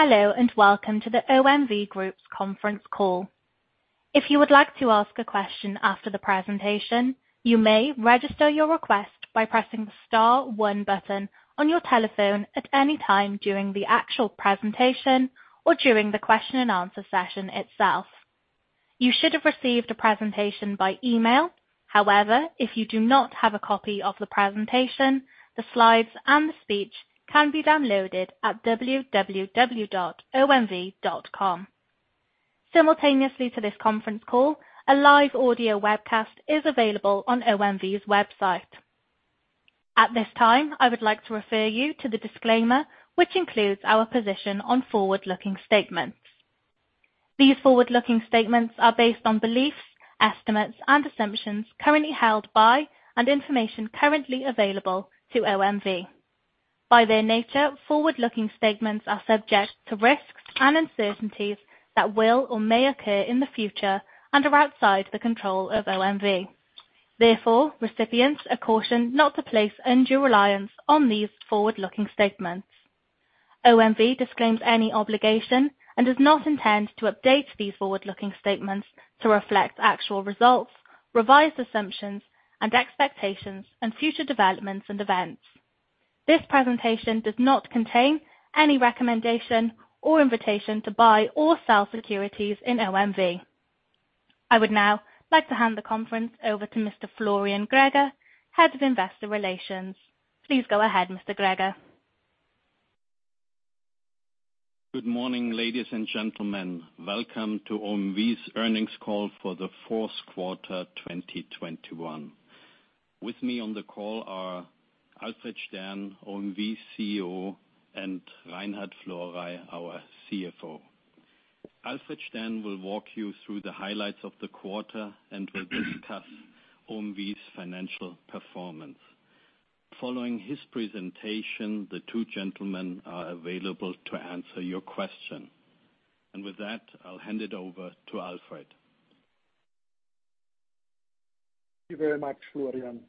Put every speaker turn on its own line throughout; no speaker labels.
Hello and welcome to the OMV Group's conference call. If you would like to ask a question after the presentation, you may register your request by pressing star one button on your telephone at any time during the actual presentation or during the question and answer session itself. You should have received a presentation by email. However, if you do not have a copy of the presentation, the slides and the speech can be downloaded at www.omv.com. Simultaneously to this conference call, a live audio webcast is available on OMV's website. At this time, I would like to refer you to the disclaimer, which includes our position on forward-looking statements. These forward-looking statements are based on beliefs, estimates, and assumptions currently held by and information currently available to OMV. By their nature, forward-looking statements are subject to risks and uncertainties that will or may occur in the future and are outside the control of OMV. Therefore, recipients are cautioned not to place undue reliance on these forward-looking statements. OMV disclaims any obligation and does not intend to update these forward-looking statements to reflect actual results, revised assumptions, and expectations and future developments and events. This presentation does not contain any recommendation or invitation to buy or sell securities in OMV. I would now like to hand the conference over to Mr. Florian Greger, Head of Investor Relations. Please go ahead, Mr. Greger.
Good morning, ladies and gentlemen. Welcome to OMV's earnings call for the Q4 2021. With me on the call are Alfred Stern, OMV CEO, and Reinhard Florey, our CFO. Alfred Stern will walk you through the highlights of the quarter and will discuss OMV's financial performance. Following his presentation, the two gentlemen are available to answer your question. With that, I'll hand it over to Alfred.
Thank you very much, Florian.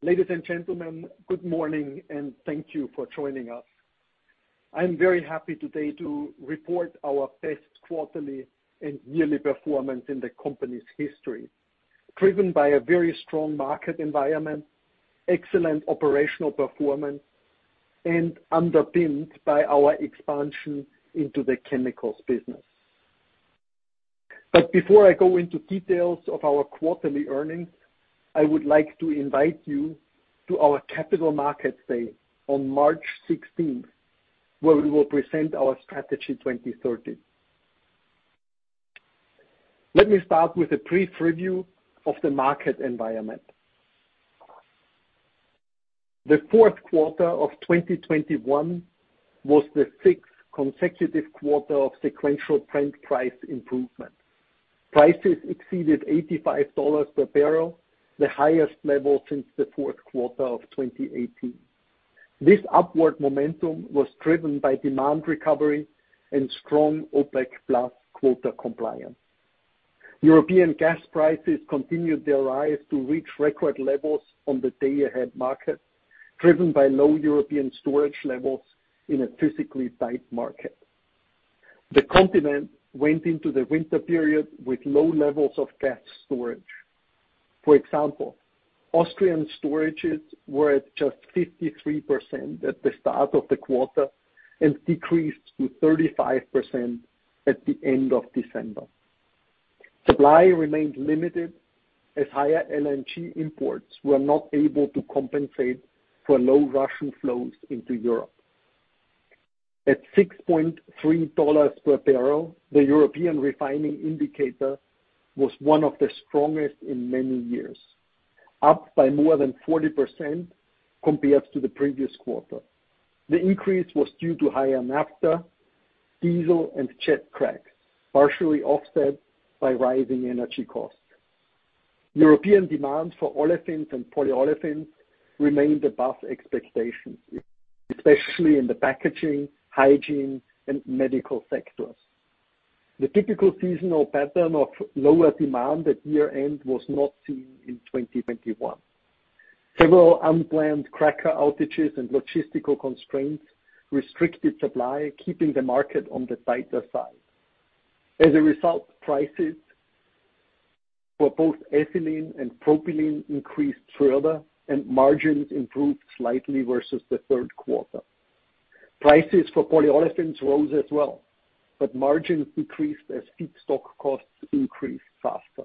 Ladies and gentlemen, good morning, and thank you for joining us. I'm very happy today to report our best quarterly and yearly performance in the company's history, driven by a very strong market environment, excellent operational performance, and underpinned by our expansion into the chemicals business. Before I go into details of our quarterly earnings, I would like to invite you to our Capital Markets Day on March 16, where we will present our Strategy 2030. Let me start with a brief review of the market environment. The Q4 of 2021 was the sixth consecutive quarter of sequential Brent price improvement. Prices exceeded $85 per barrel, the highest level since the Q4 of 2018. This upward momentum was driven by demand recovery and strong OPEC+ quota compliance. European gas prices continued their rise to reach record levels on the day-ahead market, driven by low European storage levels in a physically tight market. The continent went into the winter period with low levels of gas storage. For example, Austrian storages were at just 53% at the start of the quarter and decreased to 35% at the end of December. Supply remained limited as higher LNG imports were not able to compensate for low Russian flows into Europe. At $6.3 per barrel, the European refining indicator was one of the strongest in many years, up by more than 40% compared to the previous quarter. The increase was due to higher naphtha, diesel, and jet crack, partially offset by rising energy costs. European demand for olefins and polyolefins remained above expectations, especially in the packaging, hygiene, and medical sectors. The typical seasonal pattern of lower demand at year-end was not seen in 2021. Several unplanned cracker outages and logistical constraints restricted supply, keeping the market on the tighter side. As a result, prices for both ethylene and propylene increased further, and margins improved slightly versus the Q3. Prices for polyolefins rose as well, but margins decreased as feedstock costs increased faster.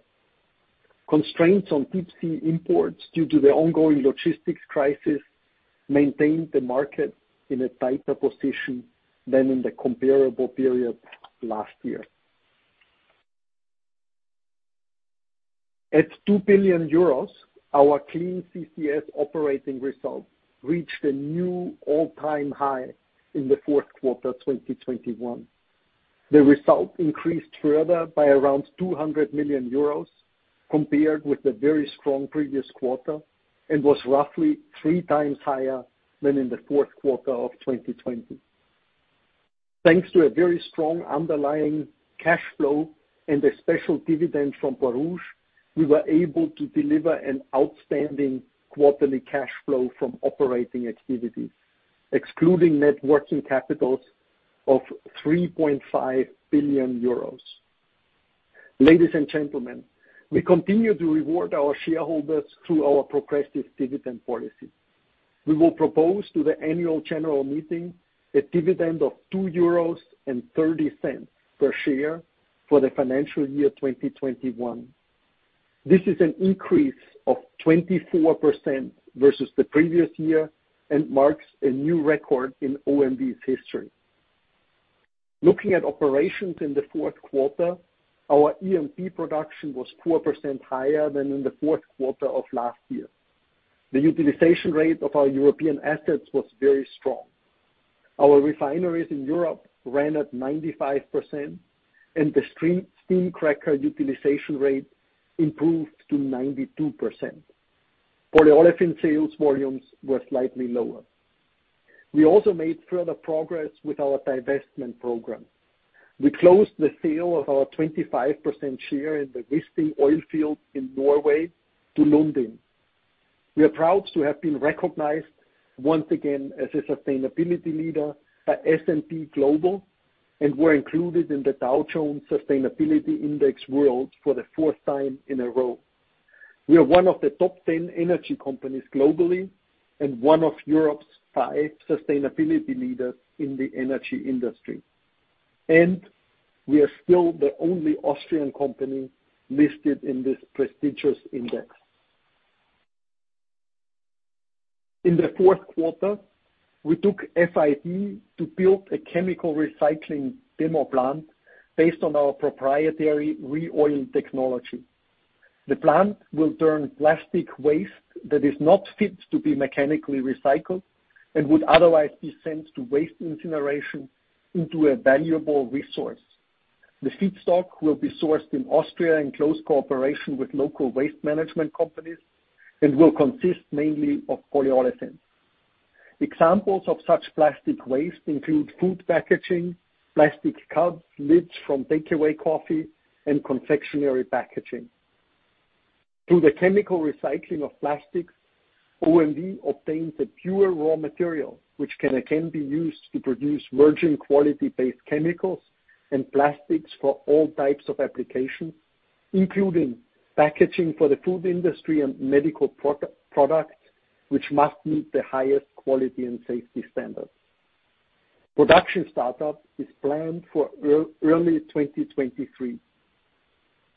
Constraints on deep-sea imports due to the ongoing logistics crisis maintained the market in a tighter position than in the comparable period last year. At 2 billion euros, our Clean CCS operating results reached a new all-time high in the Q4 2021. The result increased further by around 200 million euros compared with the very strong previous quarter and was roughly three times higher than in the Q4 of 2020. Thanks to a very strong underlying cash flow and a special dividend from Borouge, we were able to deliver an outstanding quarterly cash flow from operating activities, excluding net working capitals of 3.5 billion euros. Ladies and gentlemen, we continue to reward our shareholders through our progressive dividend policy. We will propose to the annual general meeting a dividend of 2.30 euros per share for the financial year 2021. This is an increase of 24% versus the previous year and marks a new record in OMV's history. Looking at operations in the Q4, our E&P production was 4% higher than in the Q4 of last year. The utilization rate of our European assets was very strong. Our refineries in Europe ran at 95%, and the steam cracker utilization rate improved to 92%. Polyolefin sales volumes were slightly lower. We also made further progress with our divestment program. We closed the sale of our 25% share in the Wisting oil field in Norway to Lundin. We are proud to have been recognized once again as a sustainability leader by S&P Global, and we're included in the Dow Jones Sustainability World Index for the fourth time in a row. We are one of the top ten energy companies globally and one of Europe's five sustainability leaders in the energy industry. We are still the only Austrian company listed in this prestigious index. In the Q4, we took FID to build a chemical recycling demo plant based on our proprietary ReOil technology. The plant will turn plastic waste that is not fit to be mechanically recycled and would otherwise be sent to waste incineration into a valuable resource. The feedstock will be sourced in Austria in close cooperation with local waste management companies and will consist mainly of polyolefins. Examples of such plastic waste include food packaging, plastic cups, lids from takeaway coffee, and confectionery packaging. Through the chemical recycling of plastics, OMV obtains a pure raw material, which can again be used to produce virgin quality-based chemicals and plastics for all types of applications, including packaging for the food industry and medical products which must meet the highest quality and safety standards. Production startup is planned for early 2023.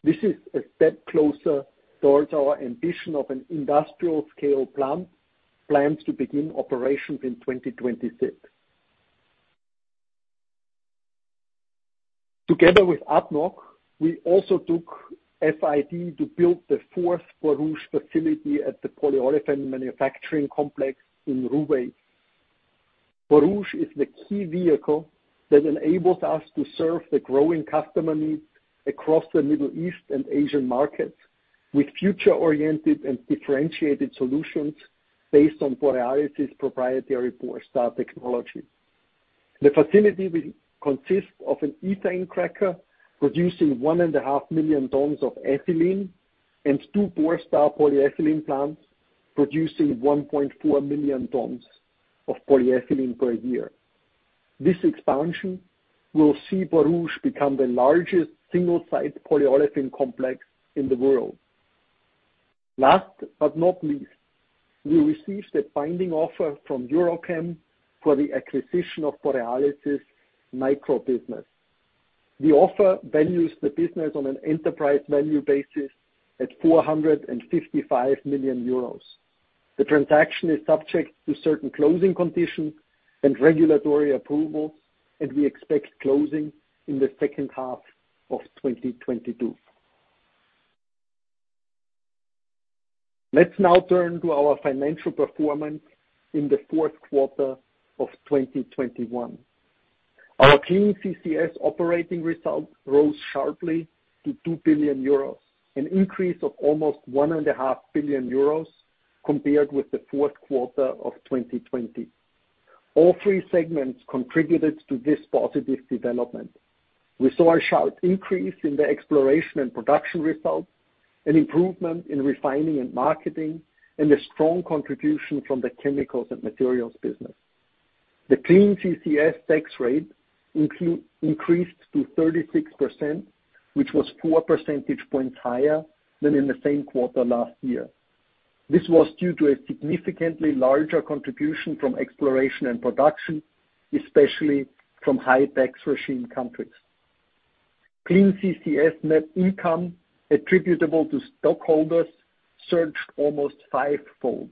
This is a step closer towards our ambition of an industrial scale plant, planned to begin operations in 2026. Together with ADNOC, we also took FID to build the fourth Borouge facility at the polyolefin manufacturing complex in Ruwais. Borouge is the key vehicle that enables us to serve the growing customer needs across the Middle East and Asian markets with future-oriented and differentiated solutions based on Borealis' proprietary Borstar technology. The facility will consist of an ethane cracker producing 1.5 million tons of ethylene and two Borstar polyethylene plants producing 1.4 million tons of polyethylene per year. This expansion will see Borouge become the largest single-site polyolefin complex in the world. Last but not least, we received a binding offer from EuroChem for the acquisition of Borealis' nitrogen business. The offer values the business on an enterprise value basis at 455 million euros. The transaction is subject to certain closing conditions and regulatory approval, and we expect closing in the H2 of 2022. Let's now turn to our financial performance in the Q4 of 2021. Our Clean CCS operating results rose sharply to 2 billion euros, an increase of almost 1.5 billion euros compared with the Q4 of 2020. All three segments contributed to this positive development. We saw a sharp increase in the exploration and production results, an improvement in refining and marketing, and a strong contribution from the chemicals and materials business. The Clean CCS tax rate increased to 36%, which was four percentage points higher than in the same quarter last year. This was due to a significantly larger contribution from exploration and production, especially from high tax regime countries. Clean CCS net income attributable to stockholders surged almost five-fold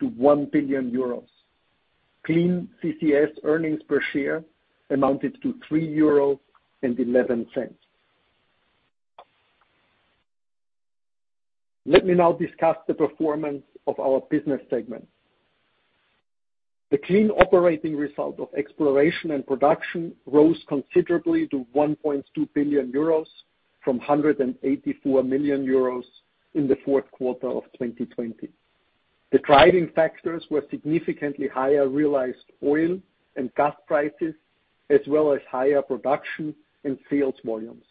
to 1 billion euros. Clean CCS earnings per share amounted to 3.11 euros. Let me now discuss the performance of our business segments. The clean operating result of exploration and production rose considerably to 1.2 billion euros from 184 million euros in the Q4 of 2020. The driving factors were significantly higher realized oil and gas prices, as well as higher production and sales volumes.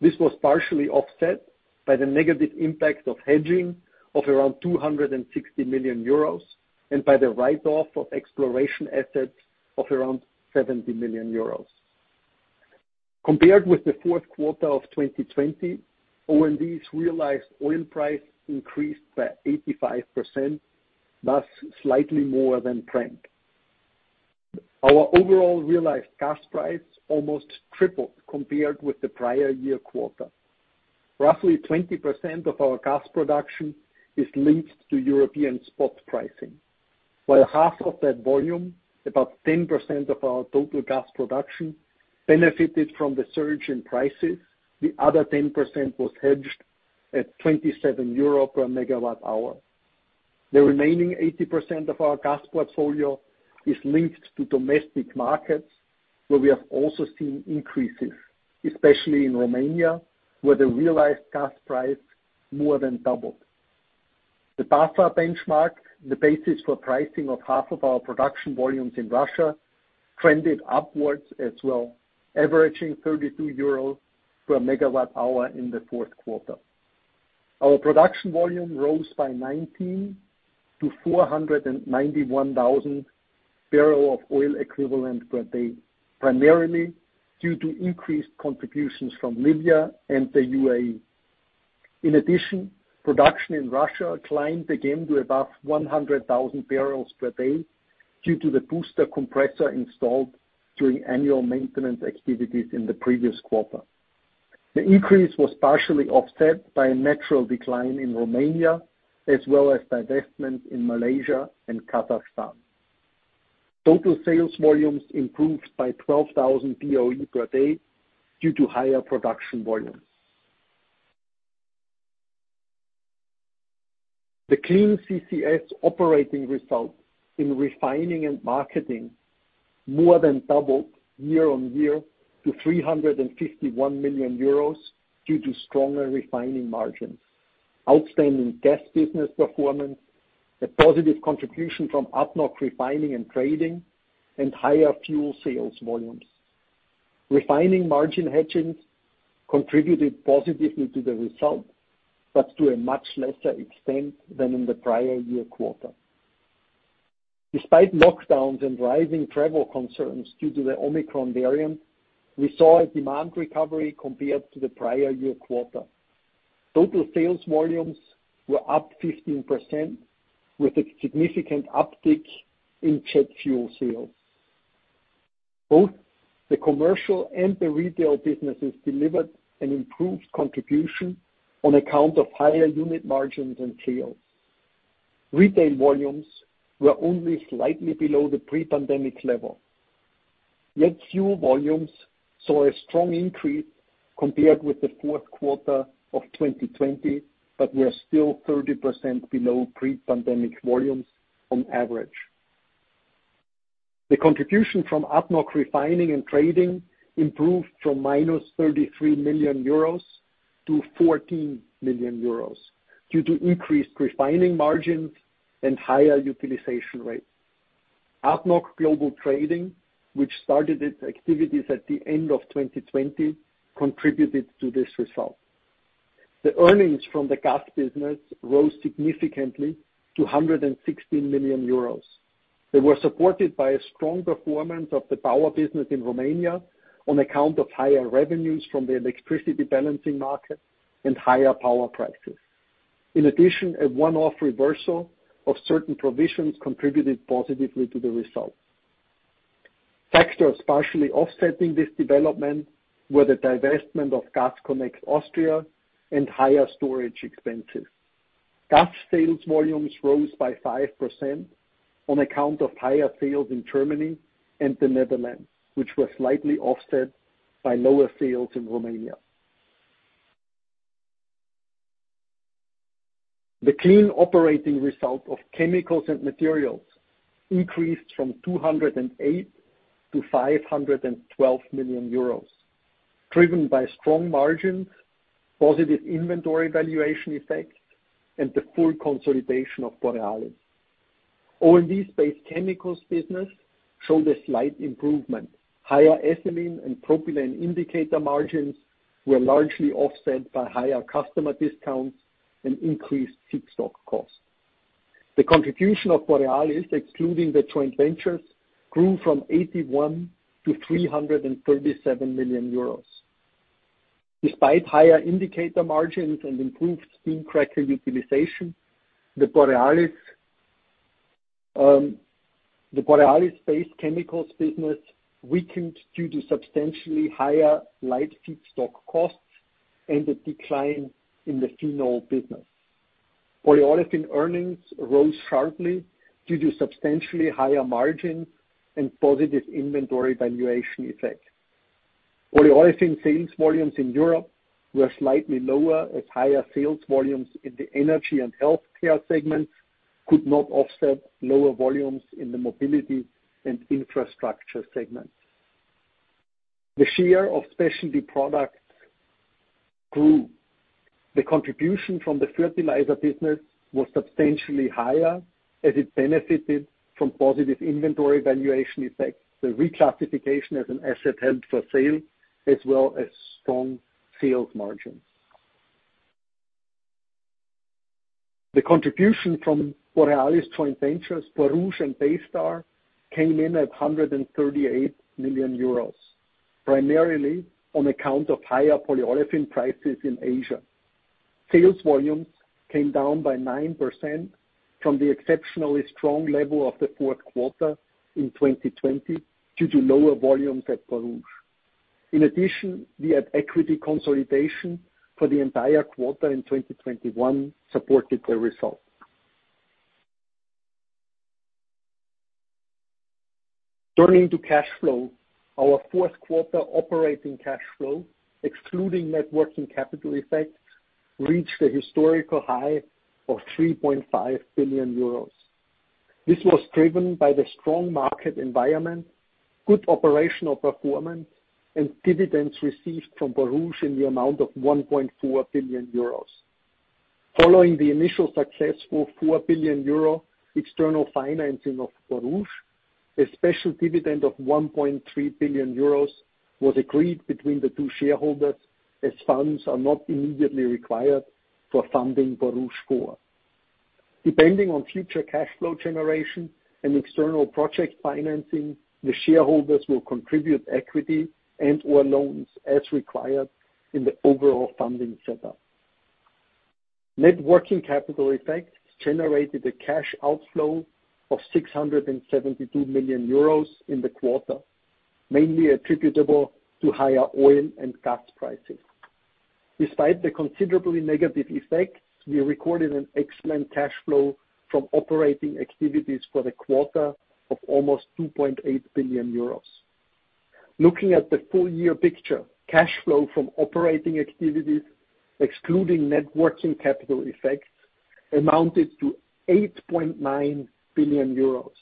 This was partially offset by the negative impact of hedging of around 260 million euros, and by the write-off of exploration assets of around 70 million euros. Compared with the Q4 of 2020, our realized oil price increased by 85%, thus slightly more than Brent. Our overall realized gas price almost tripled compared with the prior year quarter. Roughly 20% of our gas production is linked to European spot pricing. While half of that volume, about 10% of our total gas production, benefited from the surge in prices, the other 10% was hedged at 27 euro per MWh. The remaining 80% of our gas portfolio is linked to domestic markets, where we have also seen increases, especially in Romania, where the realized gas price more than doubled. The PASFA benchmark, the basis for pricing of half of our production volumes in Russia, trended upwards as well, averaging 32 euros per MWh in the Q4. Our production volume rose by 19 to 491,000 barrels of oil equivalent per day, primarily due to increased contributions from Libya and the UAE. In addition, production in Russia climbed again to above 100,000 barrels per day due to the booster compressor installed during annual maintenance activities in the previous quarter. The increase was partially offset by a natural decline in Romania, as well as divestment in Malaysia and Kazakhstan. Total sales volumes improved by 12,000 BOE per day due to higher production volumes. The Clean CCS operating results in refining and marketing more than doubled year-on-year to 351 million euros due to stronger refining margins, outstanding gas business performance, a positive contribution from our own refining and trading, and higher fuel sales volumes. Refining margin hedging contributed positively to the result, but to a much lesser extent than in the prior-year quarter. Despite lockdowns and rising travel concerns due to the Omicron variant, we saw a demand recovery compared to the prior-year quarter. Total sales volumes were up 15% with a significant uptick in jet fuel sales. Both the commercial and the retail businesses delivered an improved contribution on account of higher unit margins and sales. Retail volumes were only slightly below the pre-pandemic level, yet fuel volumes saw a strong increase compared with the Q4 of 2020, but were still 30% below pre-pandemic volumes on average. The contribution from ADNOC refining and trading improved from minus 33 million euros to 14 million euros due to increased refining margins and higher utilization rates. ADNOC Global Trading, which started its activities at the end of 2020, contributed to this result. The earnings from the gas business rose significantly to 160 million euros. They were supported by a strong performance of the power business in Romania on account of higher revenues from the electricity balancing market and higher power prices. In addition, a one-off reversal of certain provisions contributed positively to the results. Factors partially offsetting this development were the divestment of Gas Connect Austria and higher storage expenses. Gas sales volumes rose by 5% on account of higher sales in Germany and the Netherlands, which were slightly offset by lower sales in Romania. The clean operating result of chemicals and materials increased from 208 million to 512 million euros, driven by strong margins, positive inventory valuation effects, and the full consolidation of Borealis. O&D's based chemicals business showed a slight improvement. Higher ethylene and propylene indicator margins were largely offset by higher customer discounts and increased feedstock costs. The contribution of Borealis, excluding the joint ventures, grew from 81 million to 337 million euros. Despite higher indicator margins and improved steam cracker utilization, the Borealis-based chemicals business weakened due to substantially higher light feedstock costs and a decline in the phenol business. Polyolefin earnings rose sharply due to substantially higher margins and positive inventory valuation effect. Polyolefin sales volumes in Europe were slightly lower as higher sales volumes in the energy and healthcare segments could not offset lower volumes in the mobility and infrastructure segments. The share of specialty products grew. The contribution from the fertilizer business was substantially higher as it benefited from positive inventory valuation effects, the reclassification as an asset held for sale, as well as strong sales margins. The contribution from Borealis joint ventures, Borouge and Baystar, came in at 138 million euros, primarily on account of higher polyolefin prices in Asia. Sales volumes came down by 9% from the exceptionally strong level of the Q4 in 2020 due to lower volumes at Borouge. In addition, we had equity consolidation for the entire quarter in 2021 supported the results. Turning to cash flow, our Q4 operating cash flow, excluding net working capital effects, reached a historical high of 3.5 billion euros. This was driven by the strong market environment, good operational performance, and dividends received from Borouge in the amount of 1.4 billion euros. Following the initial successful 4 billion euro external financing of Borouge, a special dividend of 1.3 billion euros was agreed between the two shareholders, as funds are not immediately required for funding Borouge 4. Depending on future cash flow generation and external project financing, the shareholders will contribute equity and/or loans as required in the overall funding setup. Net working capital effects generated a cash outflow of 672 million euros in the quarter, mainly attributable to higher oil and gas prices. Despite the considerably negative effects, we recorded an excellent cash flow from operating activities for the quarter of almost 2.8 billion euros. Looking at the full-year picture, cash flow from operating activities, excluding net working capital effects, amounted to 8.9 billion euros,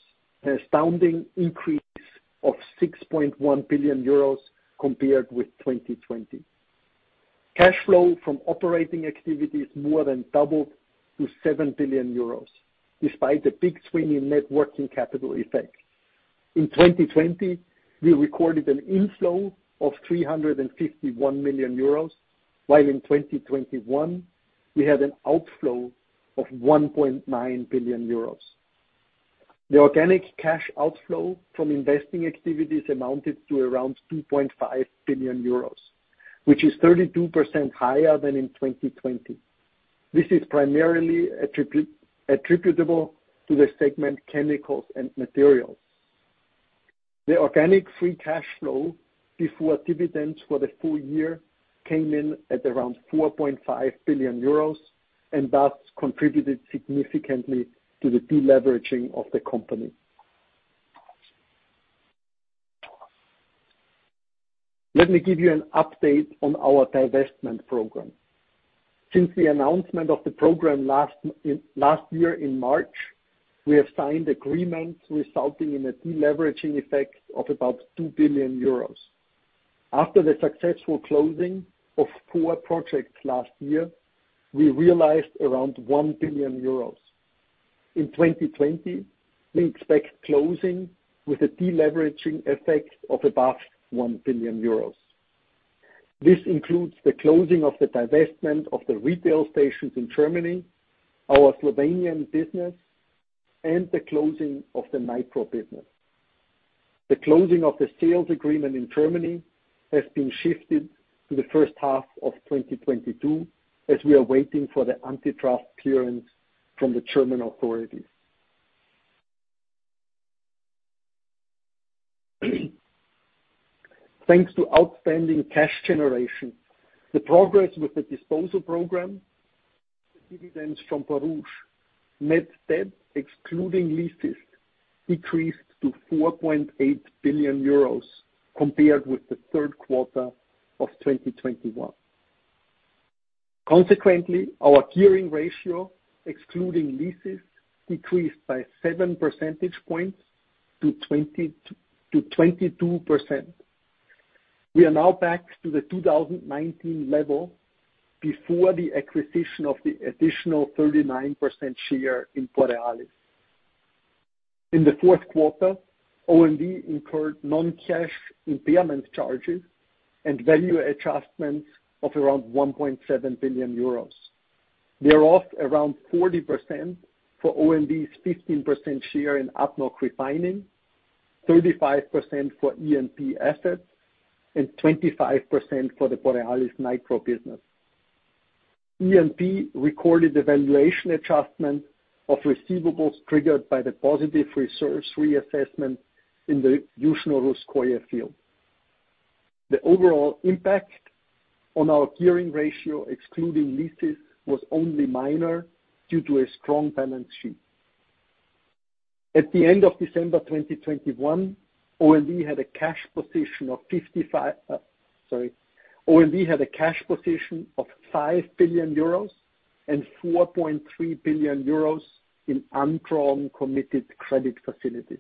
an astounding increase of 6.1 billion euros compared with 2020. Cash flow from operating activities more than doubled to 7 billion euros, despite the big swing in net working capital effects. In 2020, we recorded an inflow of 351 million euros, while in 2021 we had an outflow of 1.9 billion euros. The organic cash outflow from investing activities amounted to around 2.5 billion euros, which is 32% higher than in 2020. This is primarily attributable to the segment chemicals and materials. The organic free cash flow before dividends for the full year came in at around 4.5 billion euros, and thus contributed significantly to the deleveraging of the company. Let me give you an update on our divestment program. Since the announcement of the program last year in March, we have signed agreements resulting in a deleveraging effect of about 2 billion euros. After the successful closing of four projects last year, we realized around 1 billion euros. In 2020, we expect closing with a deleveraging effect of above 1 billion euros. This includes the closing of the divestment of the retail stations in Germany, our Slovenian business, and the closing of the nitrogen business. The closing of the sales agreement in Germany has been shifted to the H1 of 2022, as we are waiting for the antitrust clearance from the German authorities. Thanks to outstanding cash generation, the progress with the disposal program, the dividends from Borouge, net debt excluding leases decreased to 4.8 billion euros compared with the Q3 of 2021. Consequently, our gearing ratio, excluding leases, decreased by seven percentage points to 22%. We are now back to the 2019 level before the acquisition of the additional 39% share in Borealis. In the Q4, OMV incurred non-cash impairment charges and value adjustments of around 1.7 billion euros. They are of around 40% for OMV's 15% share in OMV Refining, 35% for E&P assets, and 25% for the Borealis nitrogen business. E&P recorded a valuation adjustment of receivables triggered by the positive reserves reassessment in the Yuzhno Russkoye field. The overall impact on our gearing ratio, excluding leases, was only minor due to a strong balance sheet. At the end of December 2021, OMV had a cash position of 5 billion euros and 4.3 billion euros in undrawn committed credit facilities.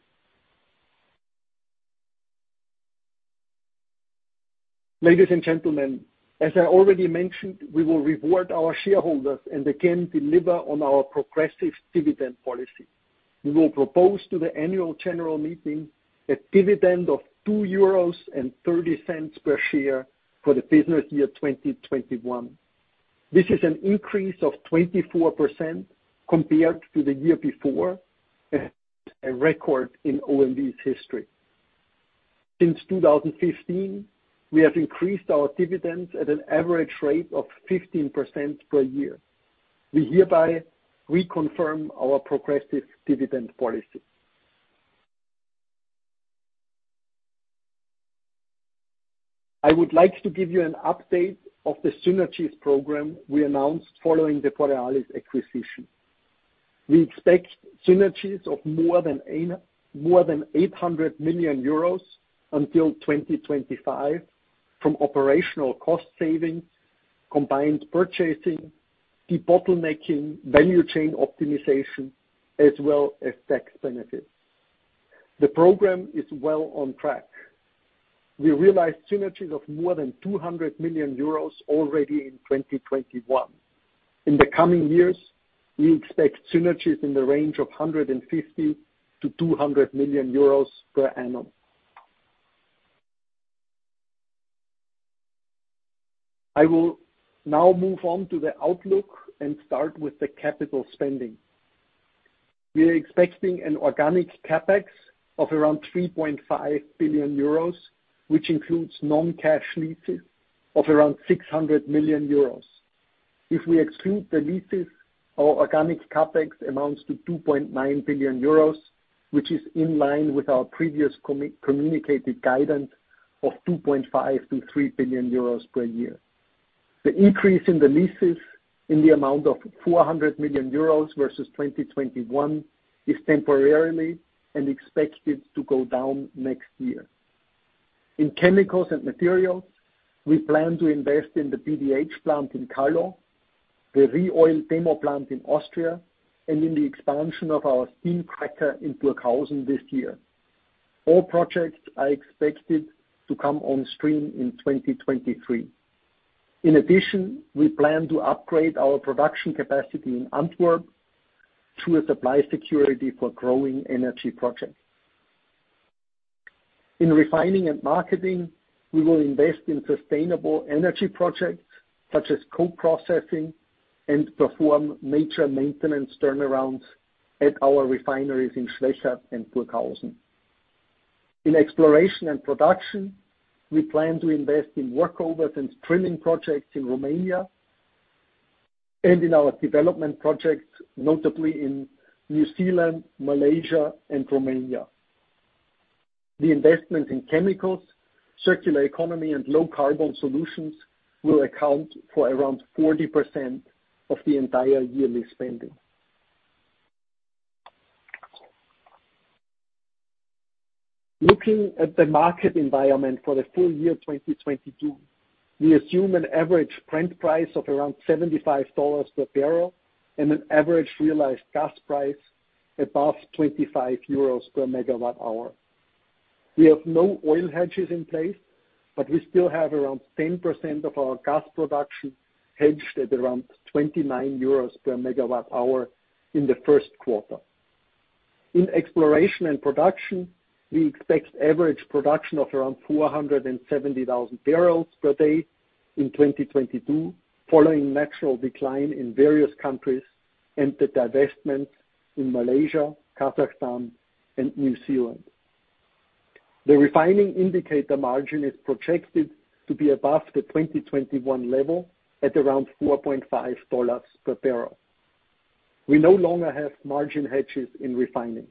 Ladies and gentlemen, as I already mentioned, we will reward our shareholders and again deliver on our progressive dividend policy. We will propose to the annual general meeting a dividend of 2.30 euros per share for the business year 2021. This is an increase of 24% compared to the year before, a record in OMV's history. Since 2015, we have increased our dividends at an average rate of 15% per year. We hereby reconfirm our progressive dividend policy. I would like to give you an update of the synergies program we announced following the Borealis acquisition. We expect synergies of more than 800 million euros until 2025 from operational cost savings, combined purchasing, debottlenecking, value chain optimization, as well as tax benefits. The program is well on track. We realized synergies of more than 200 million euros already in 2021. In the coming years, we expect synergies in the range of 150 million-200 million euros per annum. I will now move on to the outlook and start with the capital spending. We are expecting an organic CapEx of around 3.5 billion euros, which includes non-cash leases of around 600 million euros. If we exclude the leases, our organic CapEx amounts to 2.9 billion euros, which is in line with our previous communicated guidance of 2.5 billion-3 billion euros per year. The increase in the leases in the amount of 400 million euros versus 2021 is temporarily and expected to go down next year. In Chemicals and Materials, we plan to invest in the PDH plant in Kallo, the ReOil demo plant in Austria, and in the expansion of our steam cracker in Burghausen this year. All projects are expected to come on stream in 2023. In addition, we plan to upgrade our production capacity in Antwerp to ensure supply security for growing energy projects. In Refining and Marketing, we will invest in sustainable energy projects such as co-processing and perform major maintenance turnarounds at our refineries in Schwechat and Burghausen. In Exploration and Production, we plan to invest in workovers and drilling projects in Romania and in our development projects, notably in New Zealand, Malaysia and Romania. The investments in chemicals, circular economy and low carbon solutions will account for around 40% of the entire yearly spending. Looking at the market environment for the full year 2022, we assume an average Brent price of around $75 per barrel and an average realized gas price above 25 euros per megawatt hour. We have no oil hedges in place, but we still have around 10% of our gas production hedged at around 29 euros per megawatt hour in the Q1. In Exploration and Production, we expect average production of around 470,000 barrels per day in 2022, following natural decline in various countries and the divestments in Malaysia, Kazakhstan and New Zealand. The refining indicator margin is projected to be above the 2021 level at around $4.5 per barrel. We no longer have margin hedges in refining.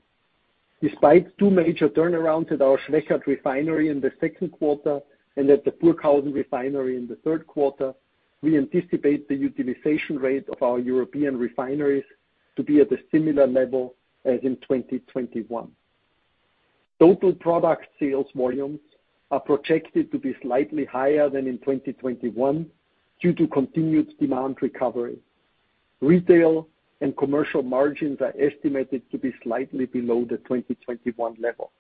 Despite two major turnarounds at our Schwechat refinery in the Q2 and at the Burghausen refinery in the Q3, we anticipate the utilization rate of our European refineries to be at a similar level as in 2021. Total product sales volumes are projected to be slightly higher than in 2021 due to continued demand recovery. Retail and commercial margins are estimated to be slightly below the 2021 level.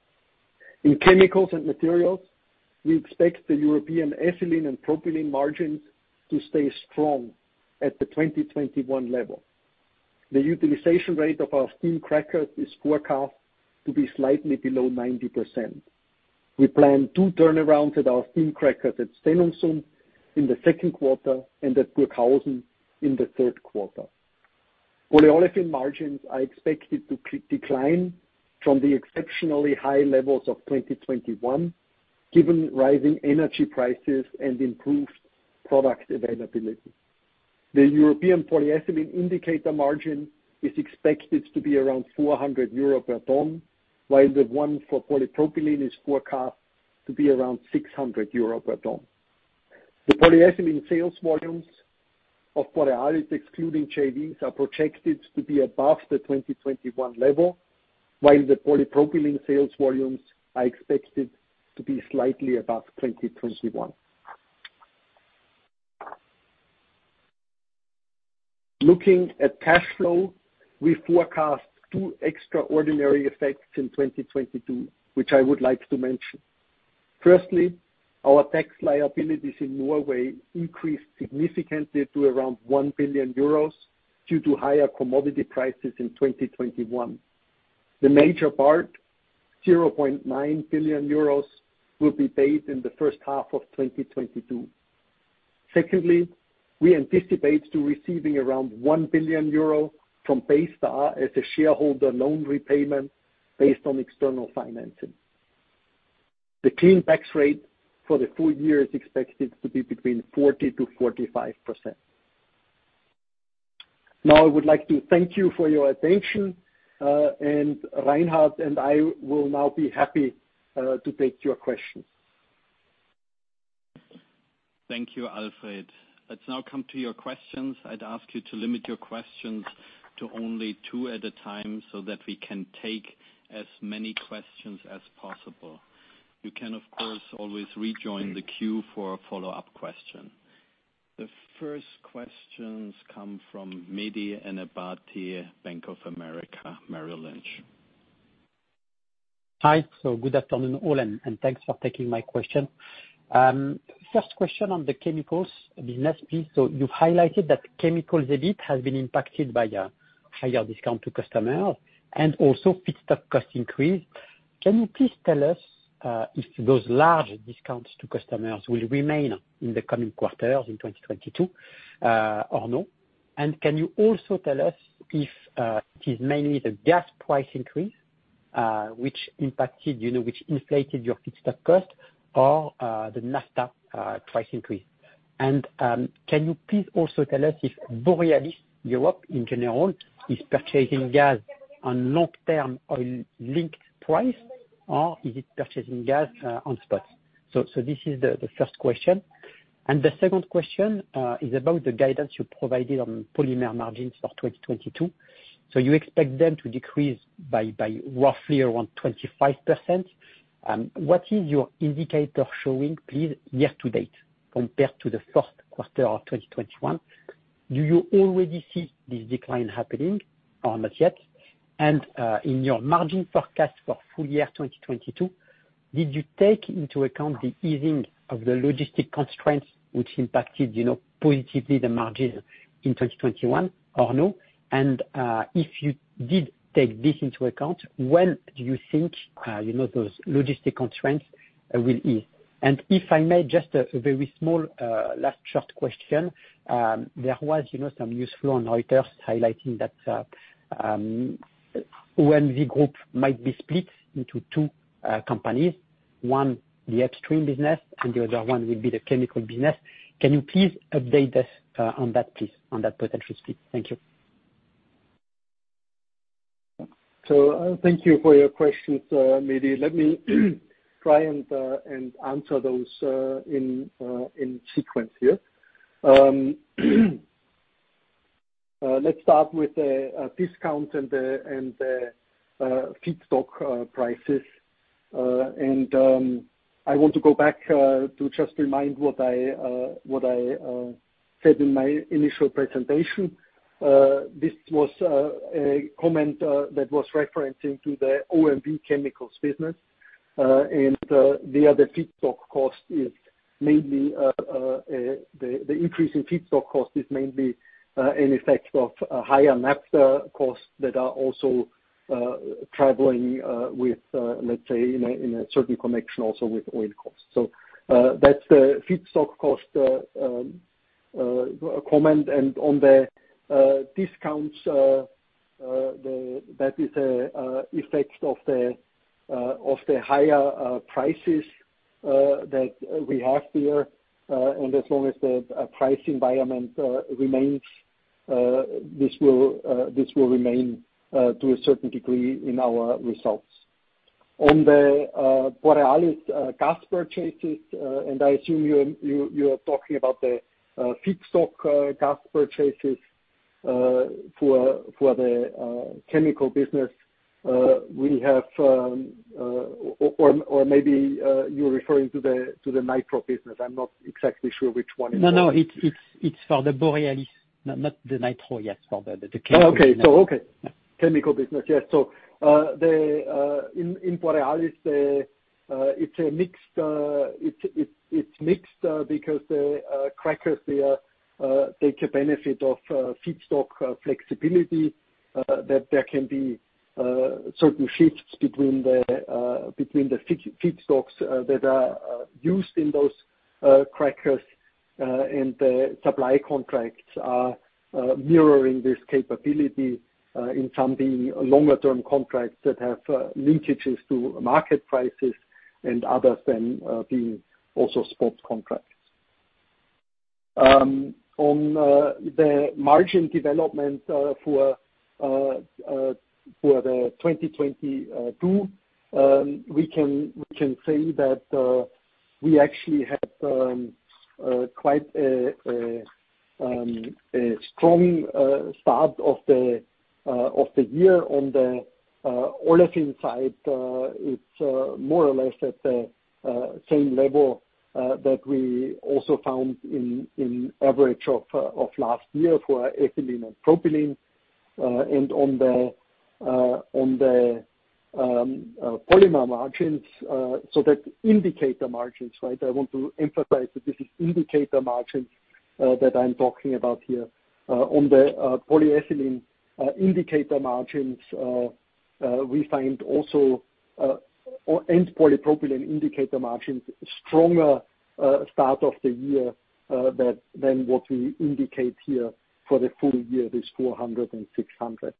In chemicals and materials, we expect the European ethylene and propylene margins to stay strong at the 2021 level. The utilization rate of our steam cracker is forecast to be slightly below 90%. We plan two turnarounds at our steam cracker at Stenungsund in the Q2 and at Burghausen in the Q3. Olefin margins are expected to decline from the exceptionally high levels of 2021, given rising energy prices and improved product availability. The European polyethylene indicator margin is expected to be around 400 euro per ton, while the one for polypropylene is forecast to be around 600 euro per ton. The polyethylene sales volumes of Borealis excluding JVs are projected to be above the 2021 level, while the polypropylene sales volumes are expected to be slightly above 2021. Looking at cash flow, we forecast two extraordinary effects in 2022, which I would like to mention. Firstly, our tax liabilities in Norway increased significantly to around 1 billion euros due to higher commodity prices in 2021. The major part, 0.9 billion euros, will be paid in the first half of 2022. Secondly, we anticipate receiving around 1 billion euro from Baystar as a shareholder loan repayment based on external financing. The clean tax rate for the full year is expected to be between 40%-45%. Now I would like to thank you for your attention, and Reinhard and I will now be happy to take your questions.
Thank you, Alfred. Let's now come to your questions. I'd ask you to limit your questions to only two at a time so that we can take as many questions as possible. You can, of course, always rejoin the queue for a follow-up question. The first questions come from Mehdi Ennebati, Bank of America Merrill Lynch.
Hi. Good afternoon, all, and thanks for taking my question. First question on the chemicals business piece. You've highlighted that chemicals EBIT has been impacted by a higher discount to customer and also feedstock cost increase. Can you please tell us if those large discounts to customers will remain in the coming quarters in 2022 or no? And can you also tell us if it is mainly the gas price increase which impacted, you know, which inflated your feedstock cost or the naphtha price increase? And can you please also tell us if Borealis, Europe in general, is purchasing gas on long-term oil link price or is it purchasing gas on spot? This is the first question. And the second question is about the guidance you provided on polymer margins for 2022. You expect them to decrease by roughly around 25%. What is your indicator showing, please, year to date compared to the Q1 of 2021? Do you already see this decline happening or not yet? In your margin forecast for full year 2022, did you take into account the easing of the logistics constraints which impacted, you know, positively the margin in 2021 or no? If you did take this into account, when do you think, you know, those logistics constraints will ease? If I may just a very small last short question, there was, you know, some news flow on Reuters highlighting that, when the group might be split into two companies, one the upstream business and the other one will be the chemical business. Can you please update us on that potential split? Thank you.
Thank you for your questions, Mehdi. Let me try and answer those in sequence here. Let's start with the discount and the feedstock prices. I want to go back to just remind what I said in my initial presentation. This was a comment that was referencing to the OMV Chemicals business. The increase in feedstock cost is mainly an effect of higher naphtha costs that are also traveling with, let's say, in a certain connection also with oil costs. That's the feedstock cost comment. On the discounts, that is the effects of the higher prices that we have here. As long as the price environment remains, this will remain to a certain degree in our results. On the Borealis gas purchases. I assume you're talking about the feedstock gas purchases for the chemical business. Maybe you're referring to the nitrogen business. I'm not exactly sure which one it is.
No, it's for the Borealis, not the nitro. Yes, for the chemical business.
Oh, okay. Okay.
Yeah.
Chemical business, yes. In Borealis, it's mixed because the crackers take a benefit of feedstock flexibility that there can be certain shifts between the feedstocks that are used in those crackers. The supply contracts are mirroring this capability, in some being longer term contracts that have linkages to market prices and others then being also spot contracts. On the margin development for 2022, we can say that We actually had quite a strong start of the year on the olefin side. It's more or less at the same level that we also found on average of last year for ethylene and propylene. On the polymer margins, so those indicator margins, right? I want to emphasize that this is indicator margins that I'm talking about here. On the polyethylene indicator margins, we find also and polypropylene indicator margins stronger start of the year than what we indicate here for the full year, this 400 and 600.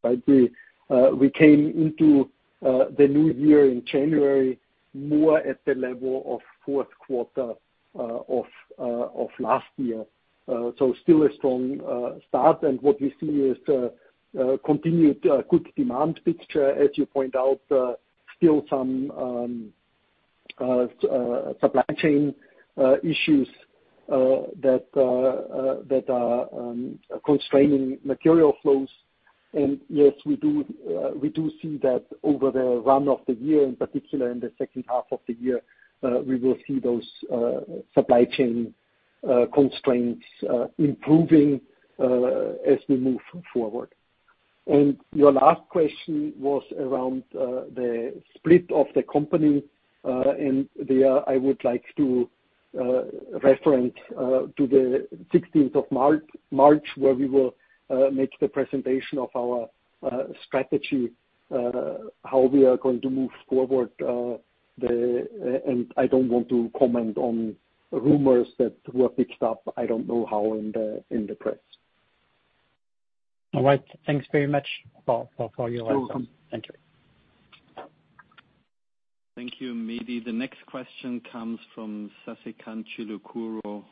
We came into the new year in January, more at the level of Q4 of last year. Still a strong start. What we see is a continued good demand picture, as you point out, still some supply chain issues that are constraining material flows. Yes, we do see that over the run of the year, in particular, in the second half of the year, we will see those supply chain constraints improving as we move forward. Your last question was around the split of the company. There I would like to reference to the 16th of March where we will make the presentation of our strategy how we are going to move forward. I don't want to comment on rumors that were picked up, I don't know how, in the press.
All right. Thanks very much for your answer.
You're welcome.
Thank you.
Thank you, Mehdi. The next question comes from Sasikanth Chilukuru,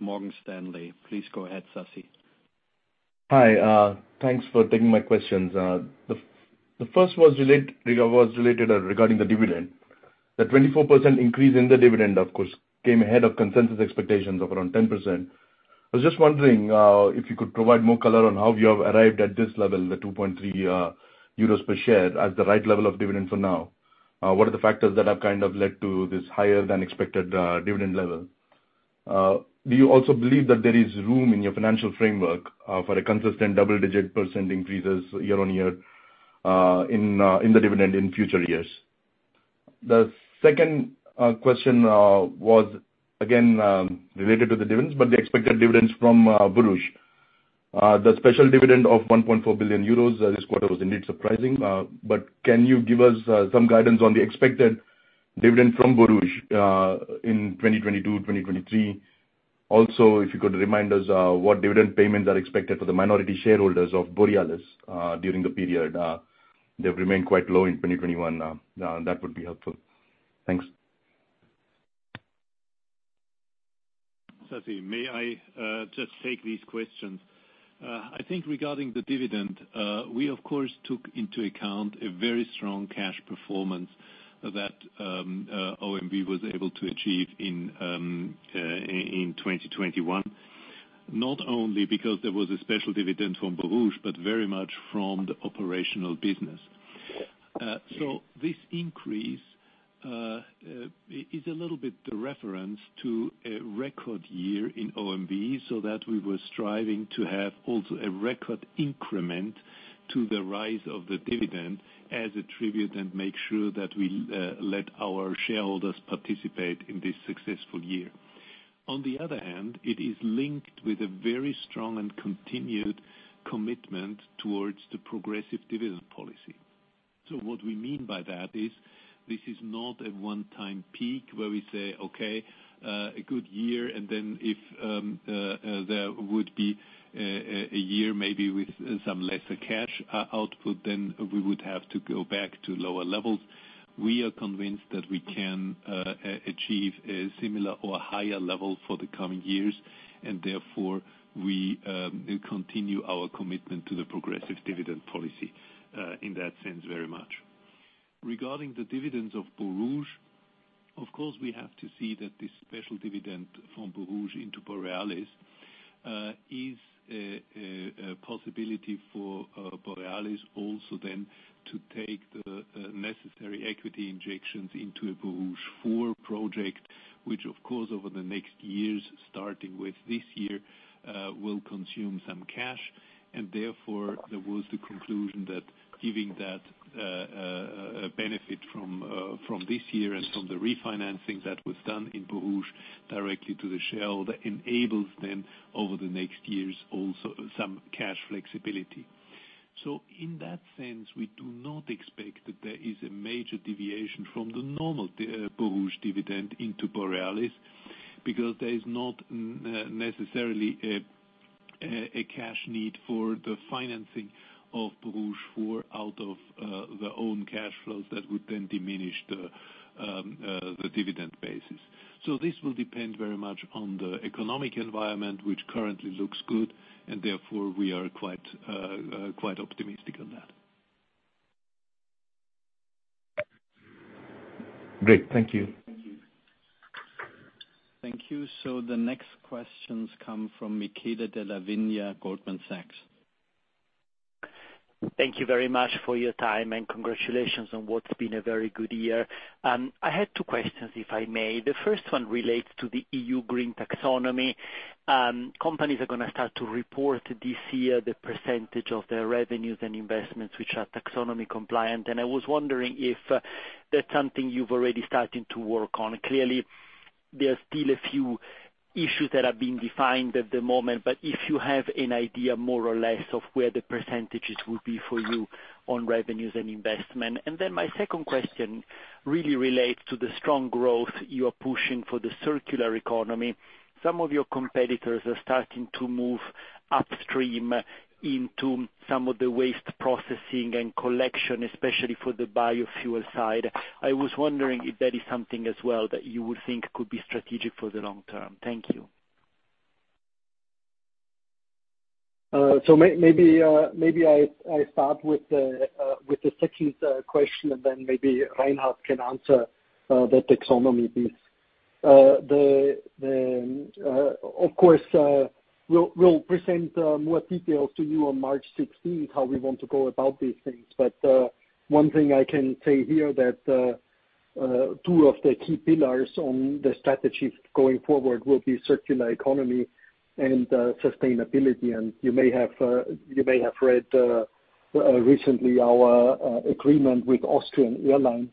Morgan Stanley. Please go ahead, Sasi.
Hi. Thanks for taking my questions. The first was related regarding the dividend. The 24% increase in the dividend, of course, came ahead of consensus expectations of around 10%. I was just wondering if you could provide more color on how you have arrived at this level, the 2.3 euros per share as the right level of dividend for now. What are the factors that have kind of led to this higher than expected dividend level? Do you also believe that there is room in your financial framework for a consistent double-digit % increases year-on-year in the dividend in future years? The second question was again related to the dividends, but the expected dividends from Borouge. The special dividend of 1.4 billion euros this quarter was indeed surprising. Can you give us some guidance on the expected dividend from Borouge in 2022, 2023? Also, if you could remind us what dividend payments are expected for the minority shareholders of Borealis during the period? They've remained quite low in 2021. That would be helpful. Thanks.
Sasi, may I just take these questions? I think regarding the dividend, we of course took into account a very strong cash performance that OMV was able to achieve in 2021. Not only because there was a special dividend from Borouge, but very much from the operational business. This increase is a little bit the reference to a record year in OMV, so that we were striving to have also a record increment to the rise of the dividend as a tribute and make sure that we let our shareholders participate in this successful year. On the other hand, it is linked with a very strong and continued commitment towards the progressive dividend policy. What we mean by that is this is not a one-time peak where we say, "Okay, a good year," and then if there would be a year maybe with some lesser cash output, then we would have to go back to lower levels. We are convinced that we can achieve a similar or higher level for the coming years, and therefore we continue our commitment to the progressive dividend policy, in that sense very much. Regarding the dividends of Borouge, of course, we have to see that this special dividend from Borouge into Borealis is a possibility for Borealis also then to take the necessary equity injections into a Borouge 4 project, which of course over the next years, starting with this year, will consume some cash. Therefore, there was the conclusion that giving that benefit from this year and from the refinancing that was done in Borouge directly to the share, that enables then over the next years also some cash flexibility. In that sense, we do not expect that there is a major deviation from the normal Borouge dividend into Borealis, because there is not necessarily a cash need for the financing of Borouge 4 out of their own cash flows that would then diminish the dividend basis. This will depend very much on the economic environment, which currently looks good, and therefore we are quite optimistic on that.
Great. Thank you.
Thank you. The next questions come from Michele Della Vigna, Goldman Sachs.
Thank you very much for your time, and congratulations on what's been a very good year. I had two questions, if I may. The first one relates to the EU green taxonomy. Companies are gonna start to report this year the percentage of their revenues and investments which are taxonomy compliant. I was wondering if that's something you've already starting to work on. Clearly, there are still a few issues that are being defined at the moment, but if you have an idea more or less of where the percentages will be for you on revenues and investment. Then my second question really relates to the strong growth you are pushing for the circular economy. Some of your competitors are starting to move upstream into some of the waste processing and collection, especially for the biofuel side. I was wondering if that is something as well that you would think could be strategic for the long term. Thank you.
Maybe I start with the second question, and then maybe Reinhard can answer the taxonomy piece. Of course, we'll present more details to you on March sixteenth how we want to go about these things. One thing I can say here that two of the key pillars on the strategy going forward will be circular economy and sustainability. You may have read recently our agreement with Austrian Airlines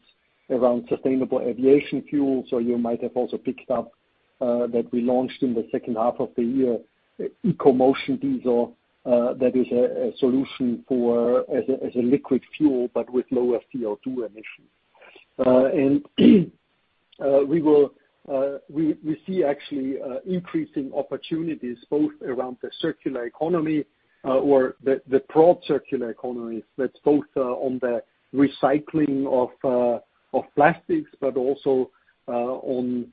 around sustainable aviation fuels, or you might have also picked up that we launched in the second half of the year EcoMotion Diesel, that is a solution as a liquid fuel, but with lower CO2 emissions. We see actually increasing opportunities both around the circular economy or the broad circular economy that's both on the recycling of plastics, but also on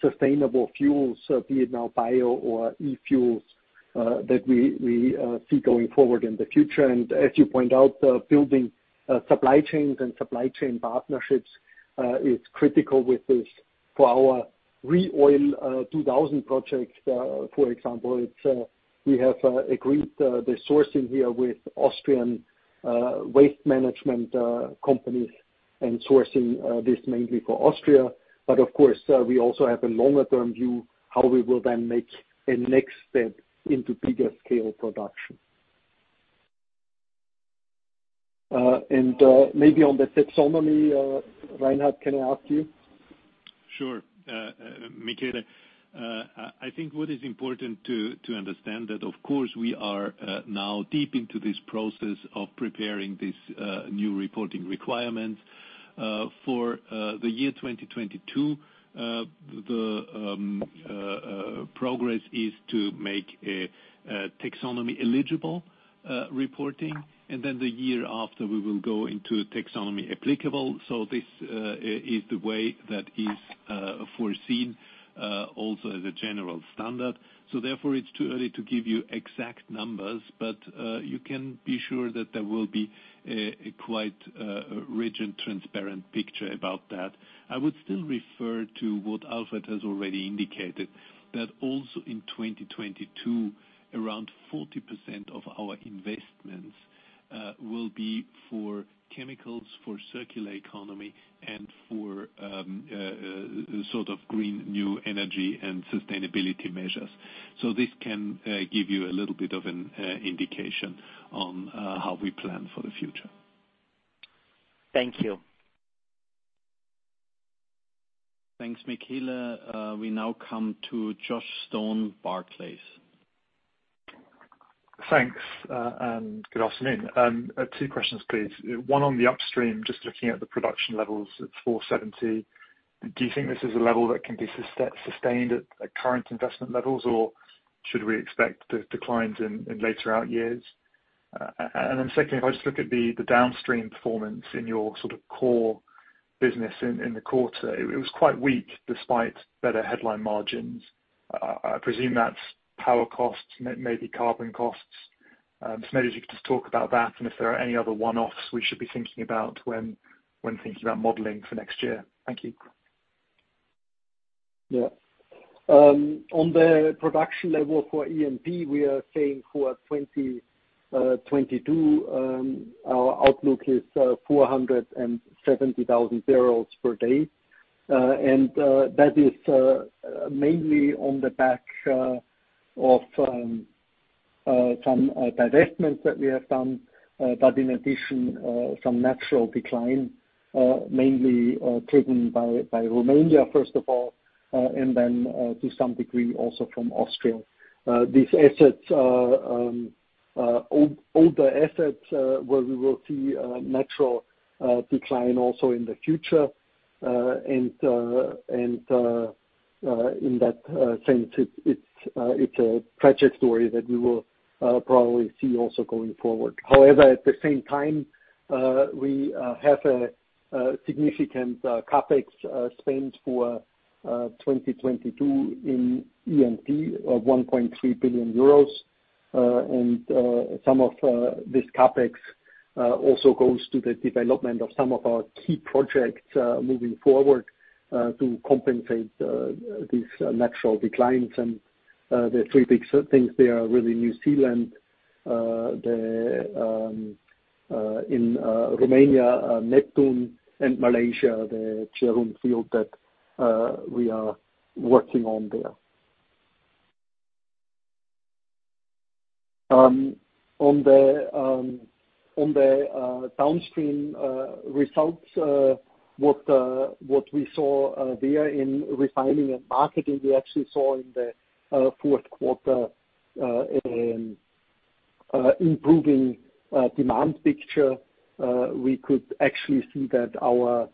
sustainable fuels, be it now bio or e-fuels that we see going forward in the future. As you point out, building supply chains and supply chain partnerships is critical with this. For our ReOil 2000 project, for example, it's we have agreed the sourcing here with Austrian waste management companies and sourcing this mainly for Austria. Of course, we also have a longer term view how we will then make a next step into bigger scale production. Maybe on the taxonomy, Reinhard, can I ask you?
Sure. Michele, I think what is important to understand that of course, we are now deep into this process of preparing this new reporting requirements for the year 2022. The progress is to make a taxonomy eligible reporting, and then the year after, we will go into taxonomy applicable. This is the way that is foreseen also as a general standard. Therefore it's too early to give you exact numbers, but you can be sure that there will be a quite rich and transparent picture about that. I would still refer to what Alfred has already indicated, that also in 2022, around 40% of our investments will be for chemicals, for circular economy and for sort of green new energy and sustainability measures. This can give you a little bit of an indication on how we plan for the future.
Thank you.
Thanks, Michele. We now come to Josh Stone, Barclays.
Thanks, good afternoon. Two questions, please. One on the upstream, just looking at the production levels at 470, do you think this is a level that can be sustained at current investment levels, or should we expect the declines in later out years? Secondly, if I just look at the downstream performance in your sort of core business in the quarter, it was quite weak despite better headline margins. I presume that's power costs, maybe carbon costs. Maybe if you could just talk about that and if there are any other one-offs we should be thinking about when thinking about modeling for next year. Thank you.
Yeah. On the production level for E&P, we are saying for 2022 our outlook is 470,000 barrels per day. That is mainly on the back of some divestments that we have done. In addition, some natural decline, mainly driven by Romania, first of all, and then to some degree also from Austria. These assets are older assets where we will see natural decline also in the future. In that sense, it's a project story that we will probably see also going forward. However, at the same time, we have a significant CapEx spend for 2022 in E&P of 1.3 billion euros. Some of this CapEx also goes to the development of some of our key projects moving forward to compensate these natural declines, and the three big things there are really New Zealand, in Romania, Neptune and Malaysia, the Jerun field that we are working on there. On the downstream results, what we saw there in refining and marketing, we actually saw in the Q4 in improving demand picture. We could actually see that our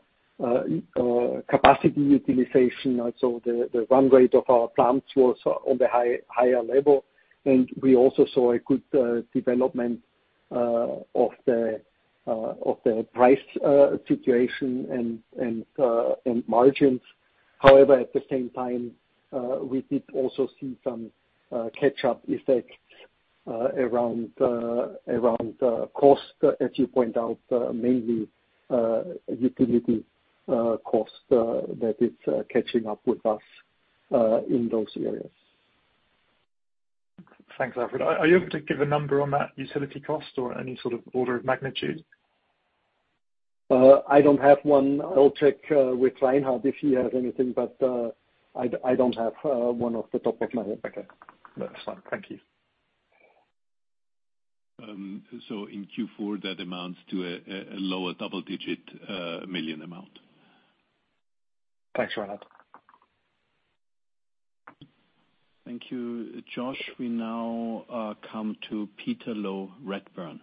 capacity utilization, also the run rate of our plants, was on the higher level. We also saw a good development of the price situation and margins. However, at the same time, we did also see some catch-up effect around cost, as you point out, mainly utility cost that is catching up with us in those areas.
Thanks, Alfred. Are you able to give a number on that utility cost or any sort of order of magnitude?
I don't have one. I'll check with Reinhard if he has anything, but I don't have one off the top of my head.
Okay. That's fine. Thank you.
In Q4, that amounts to a lower double-digit million amount.
Thanks, Reinhard.
Thank you, Josh. We now come to Peter Low, Redburn.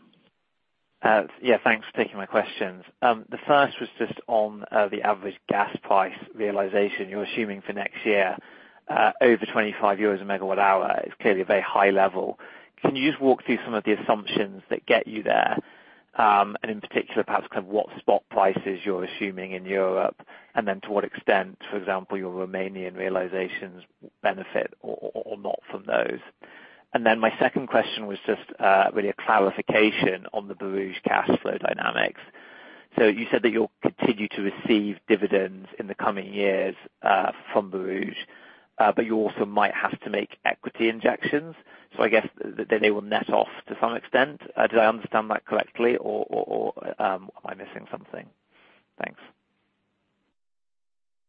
Yeah, thanks for taking my questions. The first was just on the average gas price realization. You're assuming for next year over 25 EUR/MWh is clearly a very high level. Can you just walk through some of the assumptions that get you there? In particular, perhaps kind of what spot prices you're assuming in Europe, and then to what extent, for example, your Romanian realizations benefit or not from those. My second question was just really a clarification on the Borouge cash flow dynamics. You said that you'll continue to receive dividends in the coming years from Borouge, but you also might have to make equity injections. I guess that they will net off to some extent. Did I understand that correctly or am I missing something?
Thanks.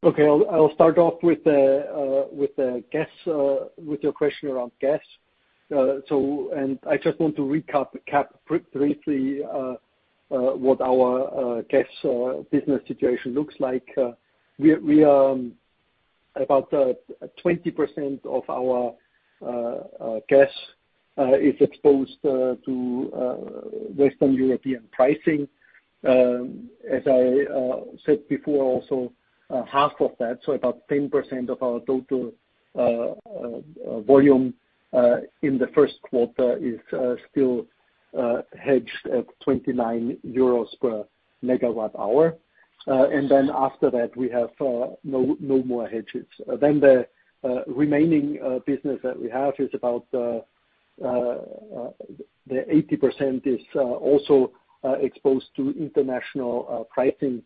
Okay. I'll start off with the gas, with your question around gas. I just want to recap briefly what our gas business situation looks like. We have about 20% of our gas exposed to Western European pricing. As I said before, also half of that, so about 10% of our total volume in the Q1 is still hedged at EUR 29 per MWh. After that, we have no more hedges. The remaining business that we have is about 80% is also exposed to international pricing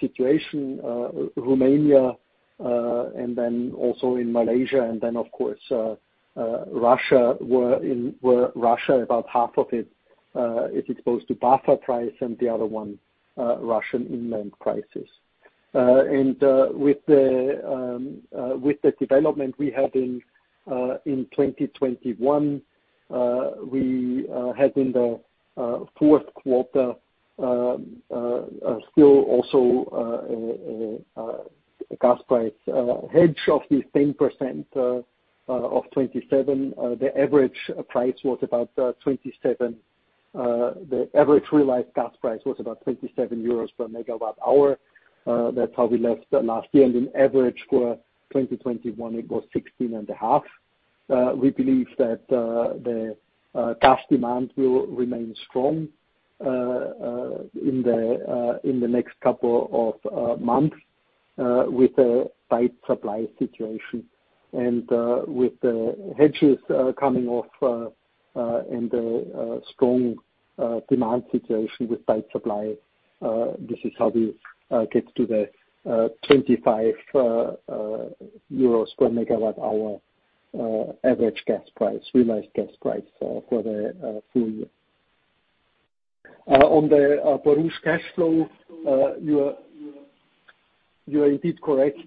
situation, Romania, and then also in Malaysia. Then of course, Russia, where about half of it is exposed to BAFA price and the other one, Russian inland prices. With the development we have in 2021, we had in the Q4 still also gas price hedge of the same 27%. The average price was about 27. The average realized gas price was about 27 euros per megawatt hour. That's how we left last year. On average for 2021, it was 16.5 EUR per megawatt hour. We believe that the gas demand will remain strong in the next couple of months with a tight supply situation. With the hedges coming off, and the strong demand situation with tight supply, this is how we get to the 25 euros per megawatt hour average gas price, realized gas price, for the full year. On the Borouge cash flow, you're indeed correct.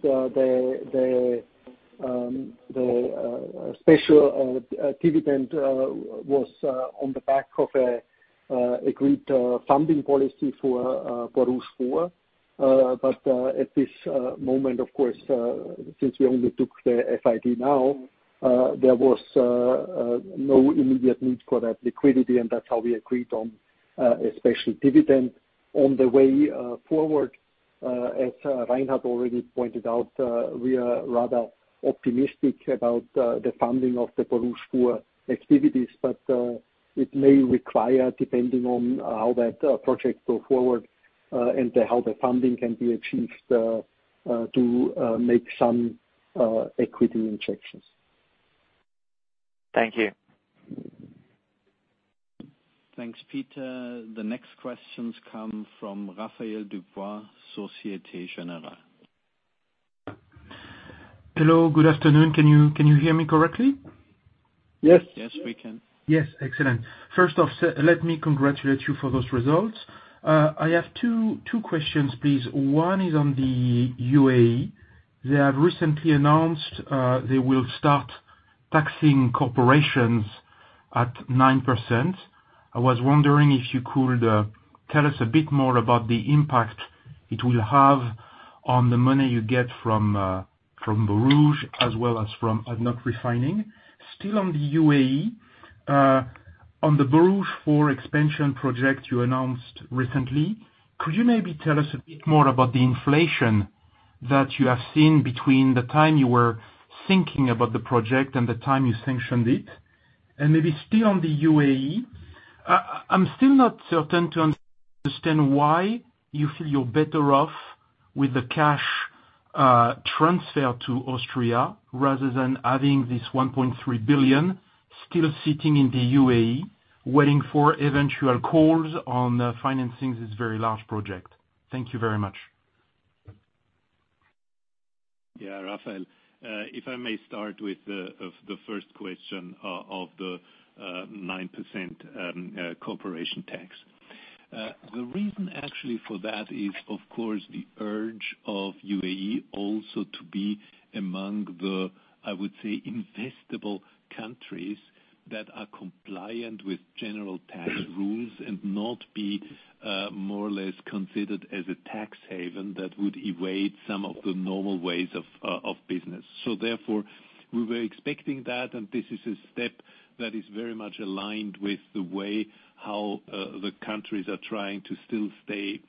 The special dividend was on the back of a agreed funding policy for Borouge 4. At this moment, of course, since we only took the FID now, there was no immediate need for that liquidity, and that's how we agreed on a special dividend. On the way forward, as Reinhard already pointed out, we are rather optimistic about the funding of the Borouge 4 activities. But it may require, depending on how that project go forward, and how the funding can be achieved, To make some equity injections.
Thank you.
Thanks, Peter. The next questions come from Raphaël Dubois, Société Générale.
Hello. Good afternoon. Can you hear me correctly?
Yes.
Yes, we can.
Yes. Excellent. First off, let me congratulate you for those results. I have two questions, please. One is on the UAE. They have recently announced they will start taxing corporations at 9%. I was wondering if you could tell us a bit more about the impact it will have on the money you get from Borouge as well as from ADNOC Refining. Still on the UAE, on the Borouge 4 expansion project you announced recently, could you maybe tell us a bit more about the inflation that you have seen between the time you were thinking about the project and the time you sanctioned it? Maybe still on the UAE, I'm still not certain to understand why you feel you're better off with the cash transfer to Austria rather than having this 1.3 billion still sitting in the UAE waiting for eventual calls on financing this very large project. Thank you very much.
Yeah, Raphaël, if I may start with the first question of the 9% corporation tax. The reason actually for that is, of course, the urge of UAE also to be among the, I would say, investable countries that are compliant with general tax rules and not be more or less considered as a tax haven that would evade some of the normal ways of business. Therefore, we were expecting that, and this is a step that is very much aligned with the way how the countries are trying to still stay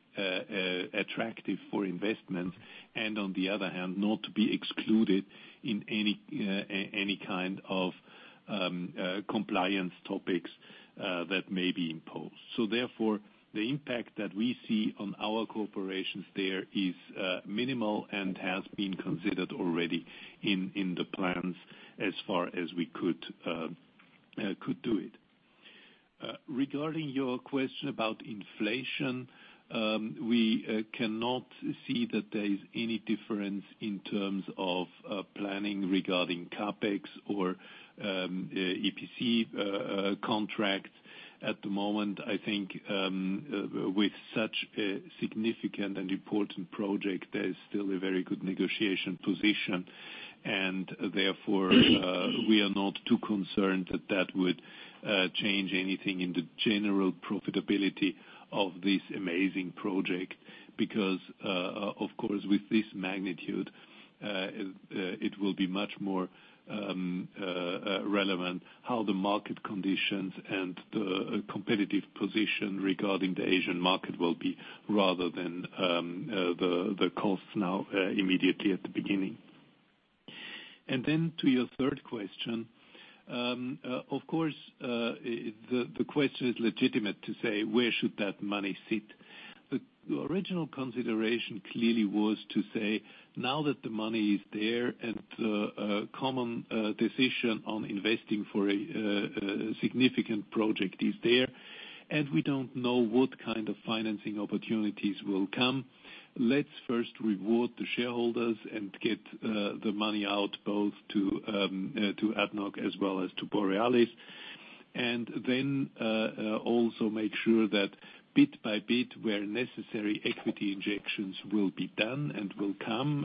attractive for investment and on the other hand, not to be excluded in any kind of compliance topics that may be imposed. Therefore, the impact that we see on our operations there is minimal and has been considered already in the plans as far as we could do it. Regarding your question about inflation, we cannot see that there is any difference in terms of planning regarding CapEx or EPC contract. At the moment, I think with such a significant and important project, there is still a very good negotiation position, and therefore we are not too concerned that that would change anything in the general profitability of this amazing project, because of course, with this magnitude, it will be much more relevant how the market conditions and the competitive position regarding the Asian market will be rather than the costs now immediately at the beginning. To your third question, of course, the question is legitimate to say, where should that money sit? The original consideration clearly was to say, now that the money is there and a common decision on investing for a significant project is there, and we don't know what kind of financing opportunities will come. Let's first reward the shareholders and get the money out both to ADNOC as well as to Borealis. Also make sure that bit-by-bit, where necessary, equity injections will be done and will come.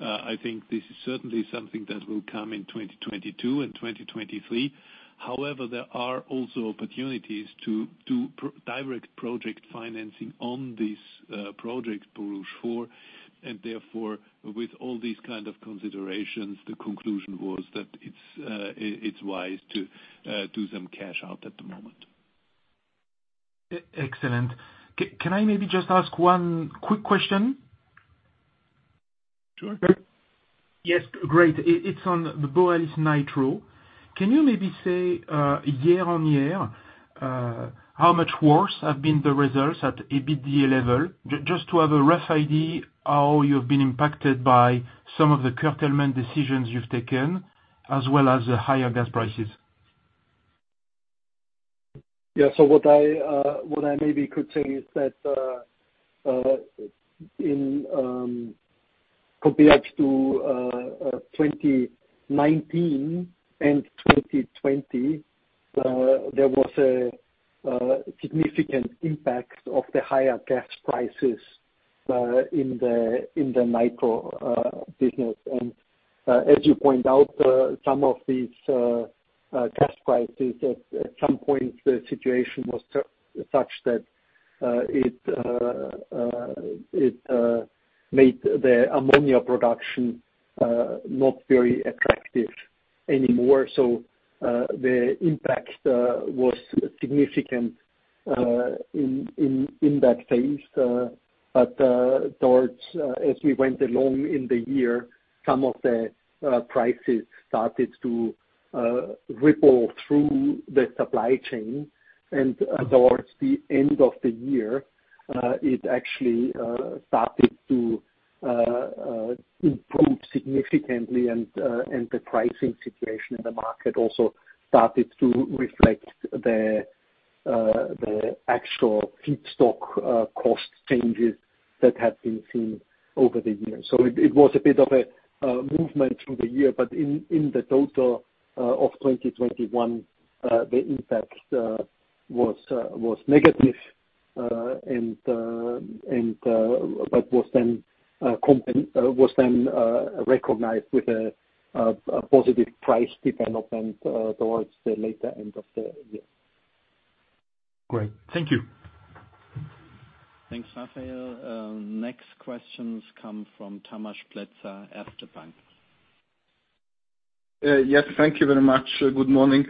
I think this is certainly something that will come in 2022 and 2023. However, there are also opportunities to do direct project financing on this project Borouge 4, and therefore, with all these kind of considerations, the conclusion was that it's wise to do some cash out at the moment.
Excellent. Can I maybe just ask one quick question?
Sure.
Yes. Great. It's on the Borealis nitrogen. Can you maybe say, year-on-year, how much worse have been the results at EBITDA level? Just to have a rough idea how you've been impacted by some of the curtailment decisions you've taken, as well as the higher gas prices.
Yeah, what I maybe could say is that in comparison to 2019 and 2020, there was a significant impact of the higher gas prices in the nitrogen business. As you point out, some of these gas prices, at some point, the situation was such that it made the ammonia production not very attractive anymore. The impact was significant in that phase. Towards, as we went along in the year, some of the prices started to ripple through the supply chain. Towards the end of the year, it actually started to improve significantly and the pricing situation in the market also started to reflect the actual feedstock cost changes that have been seen over the years. It was a bit of a movement through the year, but in the total of 2021, the impact was negative. It was then recognized with a positive price development towards the later end of the year.
Great. Thank you.
Thanks, Raphaël. Next questions come from Tamás Pletser, Erste Bank.
Yes, thank you very much. Good morning.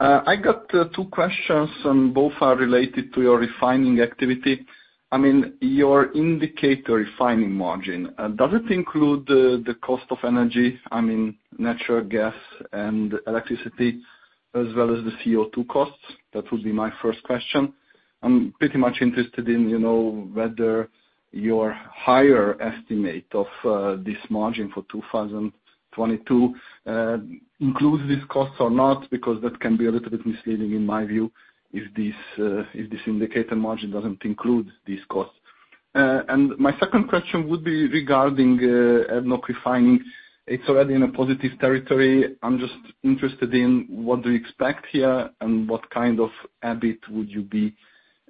I got two questions, and both are related to your refining activity. I mean, your indicator refining margin, does it include the cost of energy, I mean, natural gas and electricity as well as the CO2 costs? That would be my first question. I'm pretty much interested in, you know, whether your higher estimate of this margin for 2022 includes these costs or not, because that can be a little bit misleading in my view if this indicator margin doesn't include these costs. My second question would be regarding ADNOC Refining. It's already in a positive territory. I'm just interested in what do you expect here, and what kind of EBIT would you be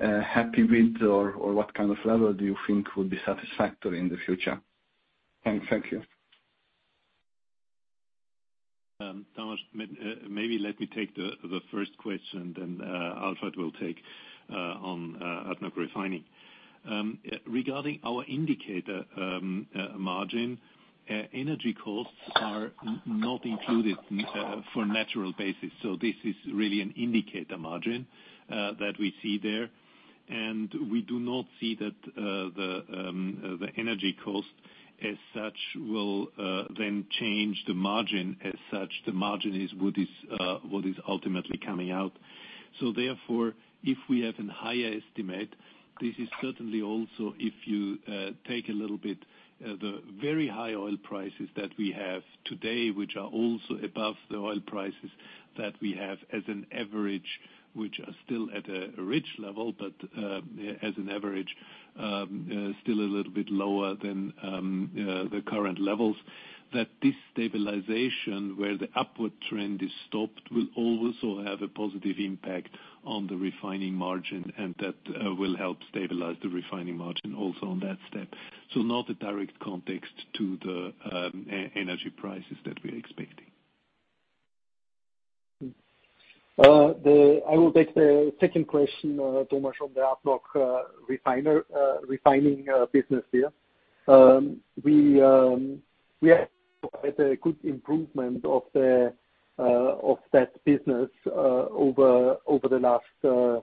happy with, or what kind of level do you think would be satisfactory in the future? Thank you.
Tamás, maybe let me take the first question, then Alfred will take on ADNOC Refining. Regarding our indicator margin, energy costs are not included for natural basis. This is really an indicator margin that we see there. We do not see that the energy cost as such will then change the margin as such. The margin is what is ultimately coming out. Therefore, if we have a higher estimate, this is certainly also if you take a little bit the very high oil prices that we have today, which are also above the oil prices that we have as an average, which are still at a rich level, but as an average still a little bit lower than the current levels, that this stabilization where the upward trend is stopped will also have a positive impact on the refining margin, and that will help stabilize the refining margin also on that step. Not a direct connection to the energy prices that we're expecting.
I will take the second question, Tamás, on the ADNOC refining business here. We had quite a good improvement of that business over the last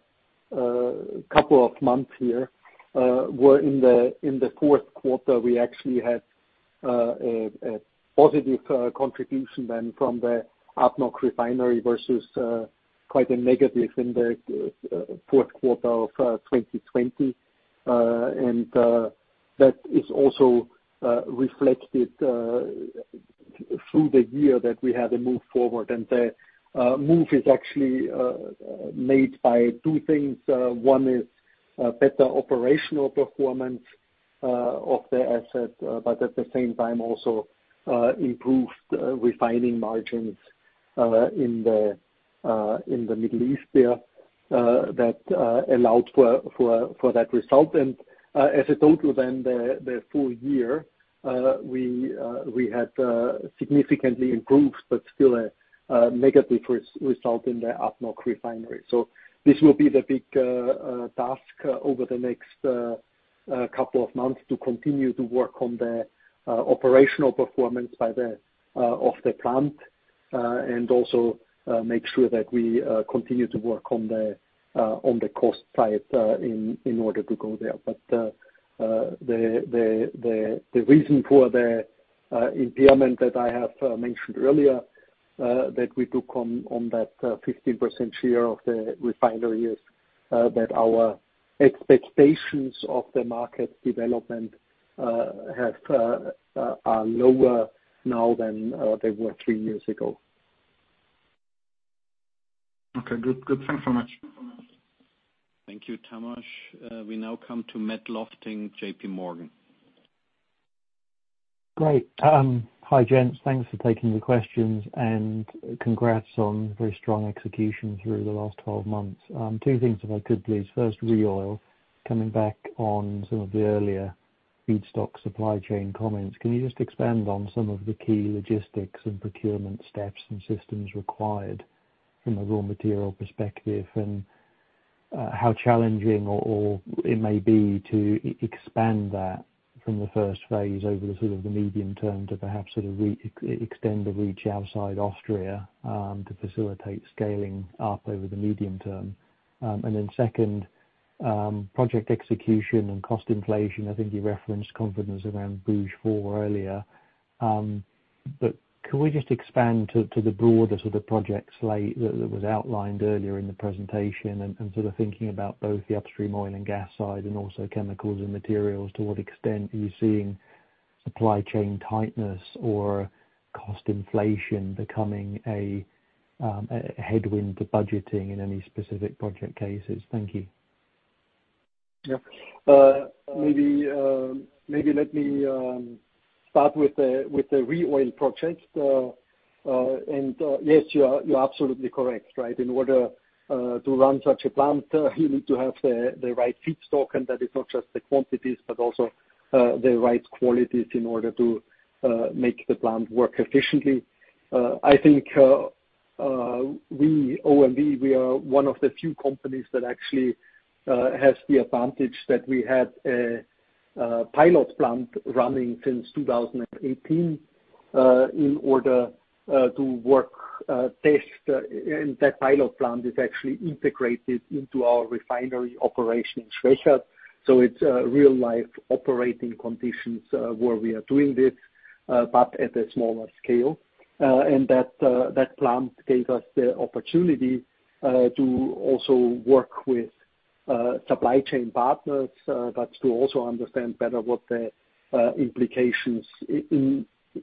couple of months here. In the Q4, we actually had a positive contribution then from the ADNOC refinery versus quite a negative in the Q4 of 2020. That is also reflected through the year that we had a move forward. The move is actually made by two things. One is better operational performance of the asset, but at the same time also improved refining margins in the Middle East there that allowed for that result. As a total then the full year we had significantly improved, but still a negative result in the ADNOC refinery. This will be the big task over the next couple of months, to continue to work on the operational performance of the plant and also make sure that we continue to work on the cost side in order to go there. The reason for the impairment that I have mentioned earlier that we took on that 15% share of the refinery is that our expectations of the market development are lower now than they were three years ago.
Okay. Good. Good. Thanks so much.
Thank you, Tamás. We now come to Matt Lofting, J.P. Morgan.
Great. Hi, gents. Thanks for taking the questions, and congrats on very strong execution through the last 12 months. Two things if I could please. First, ReOil, coming back on some of the earlier feedstock supply chain comments, can you just expand on some of the key logistics and procurement steps and systems required from a raw material perspective and how challenging or it may be to expand that from the first phase over the sort of the medium term to perhaps sort of extend the reach outside Austria to facilitate scaling up over the medium term? Second, project execution and cost inflation, I think you referenced confidence around Borouge 4 earlier. But could we just expand to the broader sort of project slate that was outlined earlier in the presentation? Sort of thinking about both the upstream oil and gas side, and also chemicals and materials, to what extent are you seeing supply chain tightness or cost inflation becoming a headwind to budgeting in any specific project cases? Thank you.
Maybe let me start with the ReOil project. Yes, you are absolutely correct, right? In order to run such a plant, you need to have the right feedstock, and that is not just the quantities, but also the right qualities in order to make the plant work efficiently. I think OMV, we are one of the few companies that actually has the advantage that we had a pilot plant running since 2018 in order to test. That pilot plant is actually integrated into our refinery operation in Schwechat. So it's real life operating conditions where we are doing this but at a smaller scale. That plant gave us the opportunity to also work with supply chain partners, but to also understand better what the implications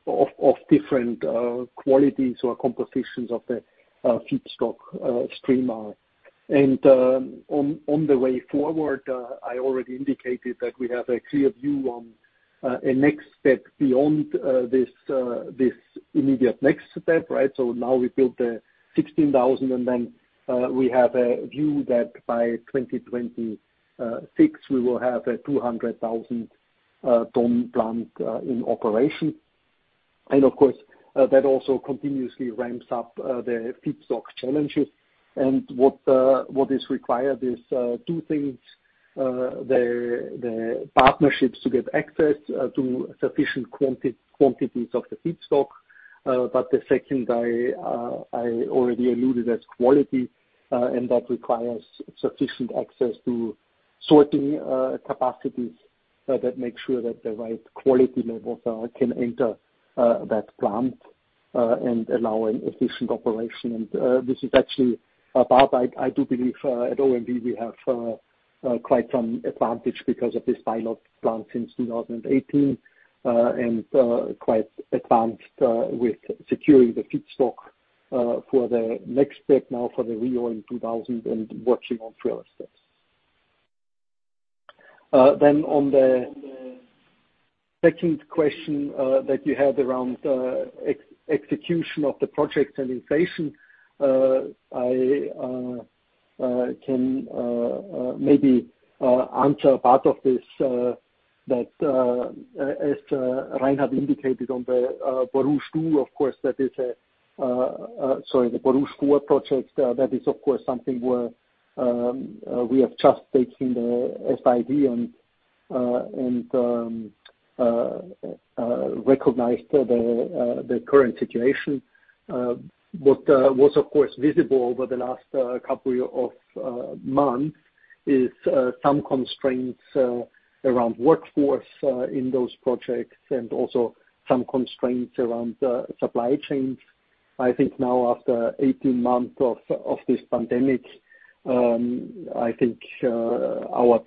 of different qualities or compositions of the feedstock stream are. On the way forward, I already indicated that we have a clear view on a next step beyond this immediate next step, right? Now we built the 16,000, and then we have a view that by 2026 we will have a 200,000-ton plant in operation. Of course, that also continuously ramps up the feedstock challenges. What is required is two things, the partnerships to get access to sufficient quantities of the feedstock. The second I already alluded to as quality, and that requires sufficient access to sorting capacities that make sure that the right quality levels can enter that plant and allow an efficient operation. This is actually a part I do believe at OMV we have quite an advantage because of this pilot plant since 2018, and quite advanced with securing the feedstock for the next step now for the ReOil 2000 and working on further steps. On the second question that you had around execution of the project and inflation, I can maybe answer part of this that as Reinhard indicated on the Borouge 4 project, that is of course something where we have just taken the FID and recognized the current situation. What was of course visible over the last couple of months is some constraints around workforce in those projects, and also some constraints around supply chains. I think now after 18 months of this pandemic, our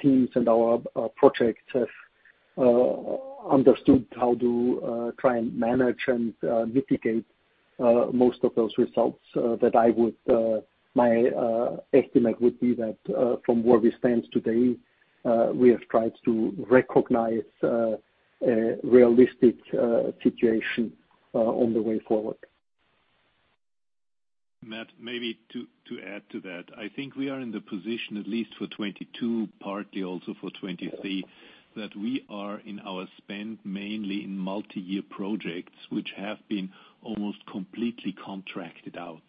teams and our projects have understood how to try and manage and mitigate most of those results that my estimate would be that from where we stand today, we have tried to recognize a realistic situation on the way forward.
Matt, maybe to add to that, I think we are in the position, at least for 2022, partly also for 2023, that we are in our spend mainly in multi-year projects, which have been almost completely contracted out.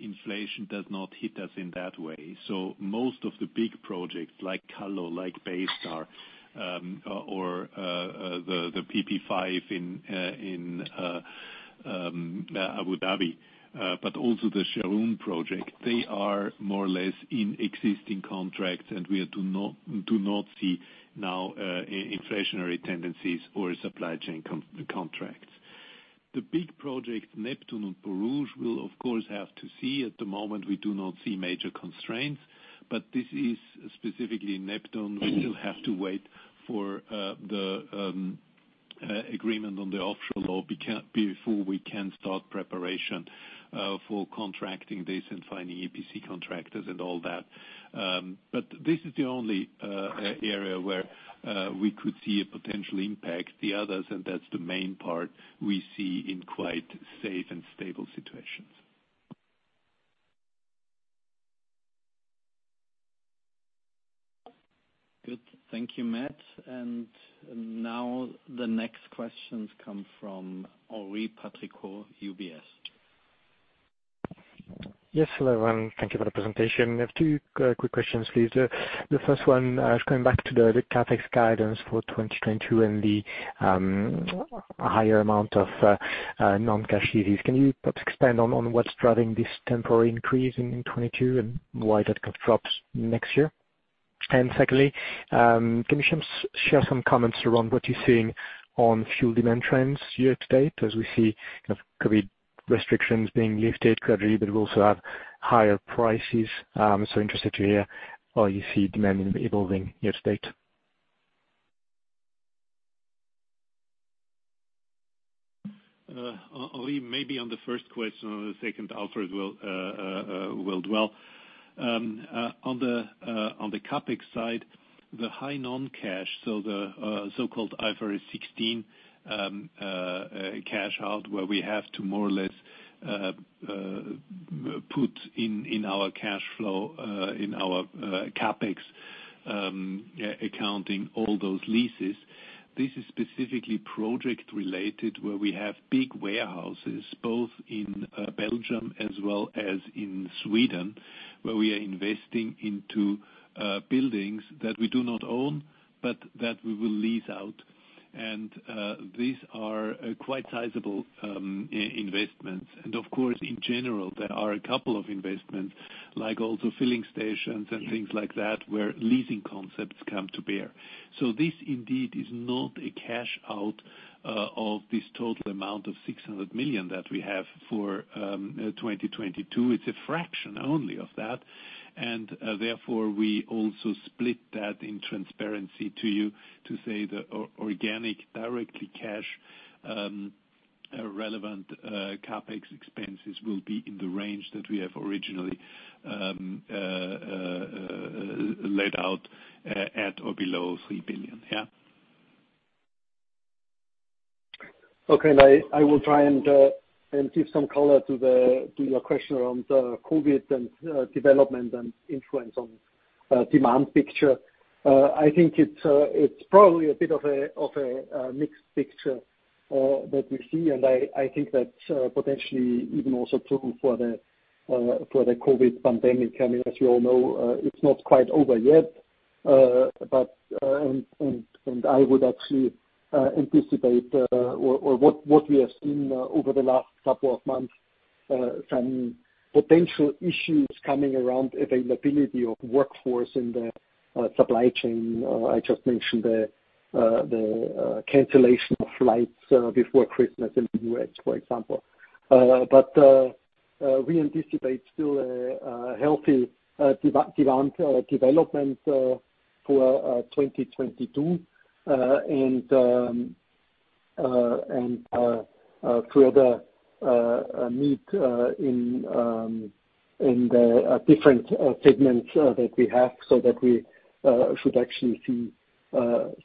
Inflation does not hit us in that way. Most of the big projects like Kallo, like Baystar, or the PP5 in Abu Dhabi, but also the Sharjah project, they are more or less in existing contracts, and we do not see now inflationary tendencies or supply chain constraints. The big project, Neptun and Borouge, we'll of course have to see. At the moment, we do not see major constraints, but this is specifically in Neptune. We still have to wait for the agreement on the offshore law before we can start preparation for contracting this and finding EPC contractors and all that. This is the only area where we could see a potential impact. The others, and that's the main part, we see in quite safe and stable situations.
Good. Thank you, Matt. Now the next questions come from Henri Patricot, UBS.
Yes, hello, everyone. Thank you for the presentation. I have two quick questions, please. The first one is going back to the CapEx guidance for 2022 and the higher amount of non-cash leases. Can you perhaps expand on what's driving this temporary increase in 2022 and why that drops next year? Secondly, can you share some comments around what you're seeing on fuel demand trends year-to-date, as we see kind of COVID restrictions being lifted gradually, but we also have higher prices? I'm interested to hear how you see demand evolving year-to-date.
Henri, maybe on the first question, on the second Alfred will dwell. On the CapEx side, the high non-cash, so the so-called IFRS 16 cash out, where we have to more or less put in our cash flow in our CapEx accounting all those leases. This is specifically project related, where we have big warehouses, both in Belgium as well as in Sweden, where we are investing into buildings that we do not own, but that we will lease out. These are quite sizable investments. Of course, in general, there are a couple of investments, like also filling stations and things like that, where leasing concepts come to bear. This indeed is not a cash out of this total amount of 600 million that we have for 2022. It's a fraction only of that. Therefore, we also split that in transparency to you to say the organic directly cash relevant CapEx expenses will be in the range that we have originally laid out at or below 3 billion. Yeah.
Okay. I will try and give some color to your question around the COVID and development and influence on demand picture. I think it's probably a bit of a mixed picture that we see. I think that potentially even also true for the COVID pandemic. I mean, as you all know, it's not quite over yet. I would actually anticipate or what we have seen over the last couple of months, some potential issues coming around availability of workforce in the supply chain. I just mentioned the cancellation of flights before Christmas in the U.S., for example. We anticipate still a healthy development for 2022. Further need in the different segments that we have so that we should actually see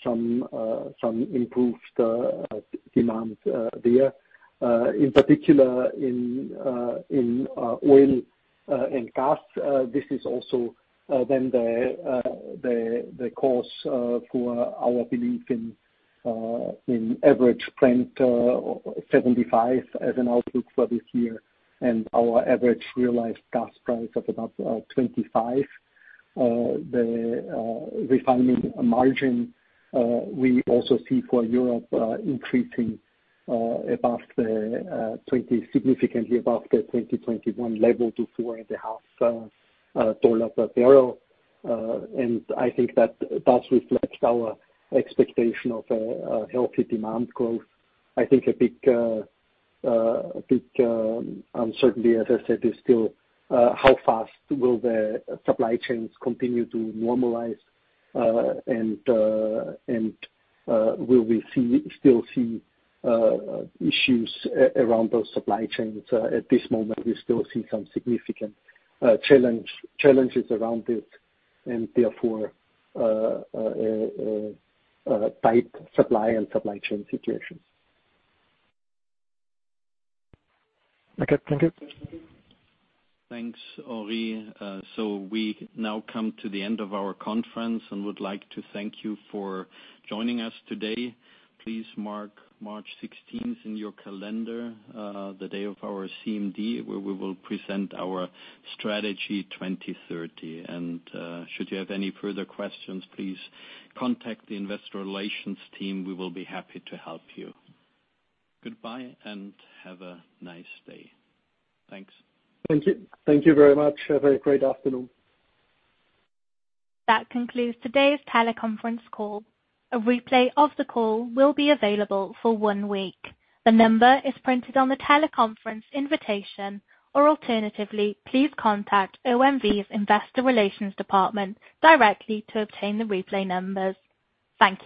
some improved demand there. In particular in oil and gas. This is also then the basis for our belief in average Brent $75 as an outlook for this year and our average realized gas price of about 25. The refining margin we also see for Europe increasing significantly above the 2021 level to $4.5 per barrel. I think that reflects our expectation of a healthy demand growth. I think a big uncertainty, as I said, is still how fast will the supply chains continue to normalize, and will we still see issues around those supply chains? At this moment, we still see some significant challenges around it, and therefore, tight supply and supply chain situations.
Okay, thank you.
Thanks, Henri. We now come to the end of our conference and would like to thank you for joining us today. Please mark March 16th in your calendar, the day of our CMD, where we will present our Strategy 2030. Should you have any further questions, please contact the investor relations team. We will be happy to help you. Goodbye and have a nice day. Thanks.
Thank you. Thank you very much. Have a great afternoon.
That concludes today's teleconference call. A replay of the call will be available for one week. The number is printed on the teleconference invitation, or alternatively, please contact OMV's Investor Relations department directly to obtain the replay numbers. Thank you.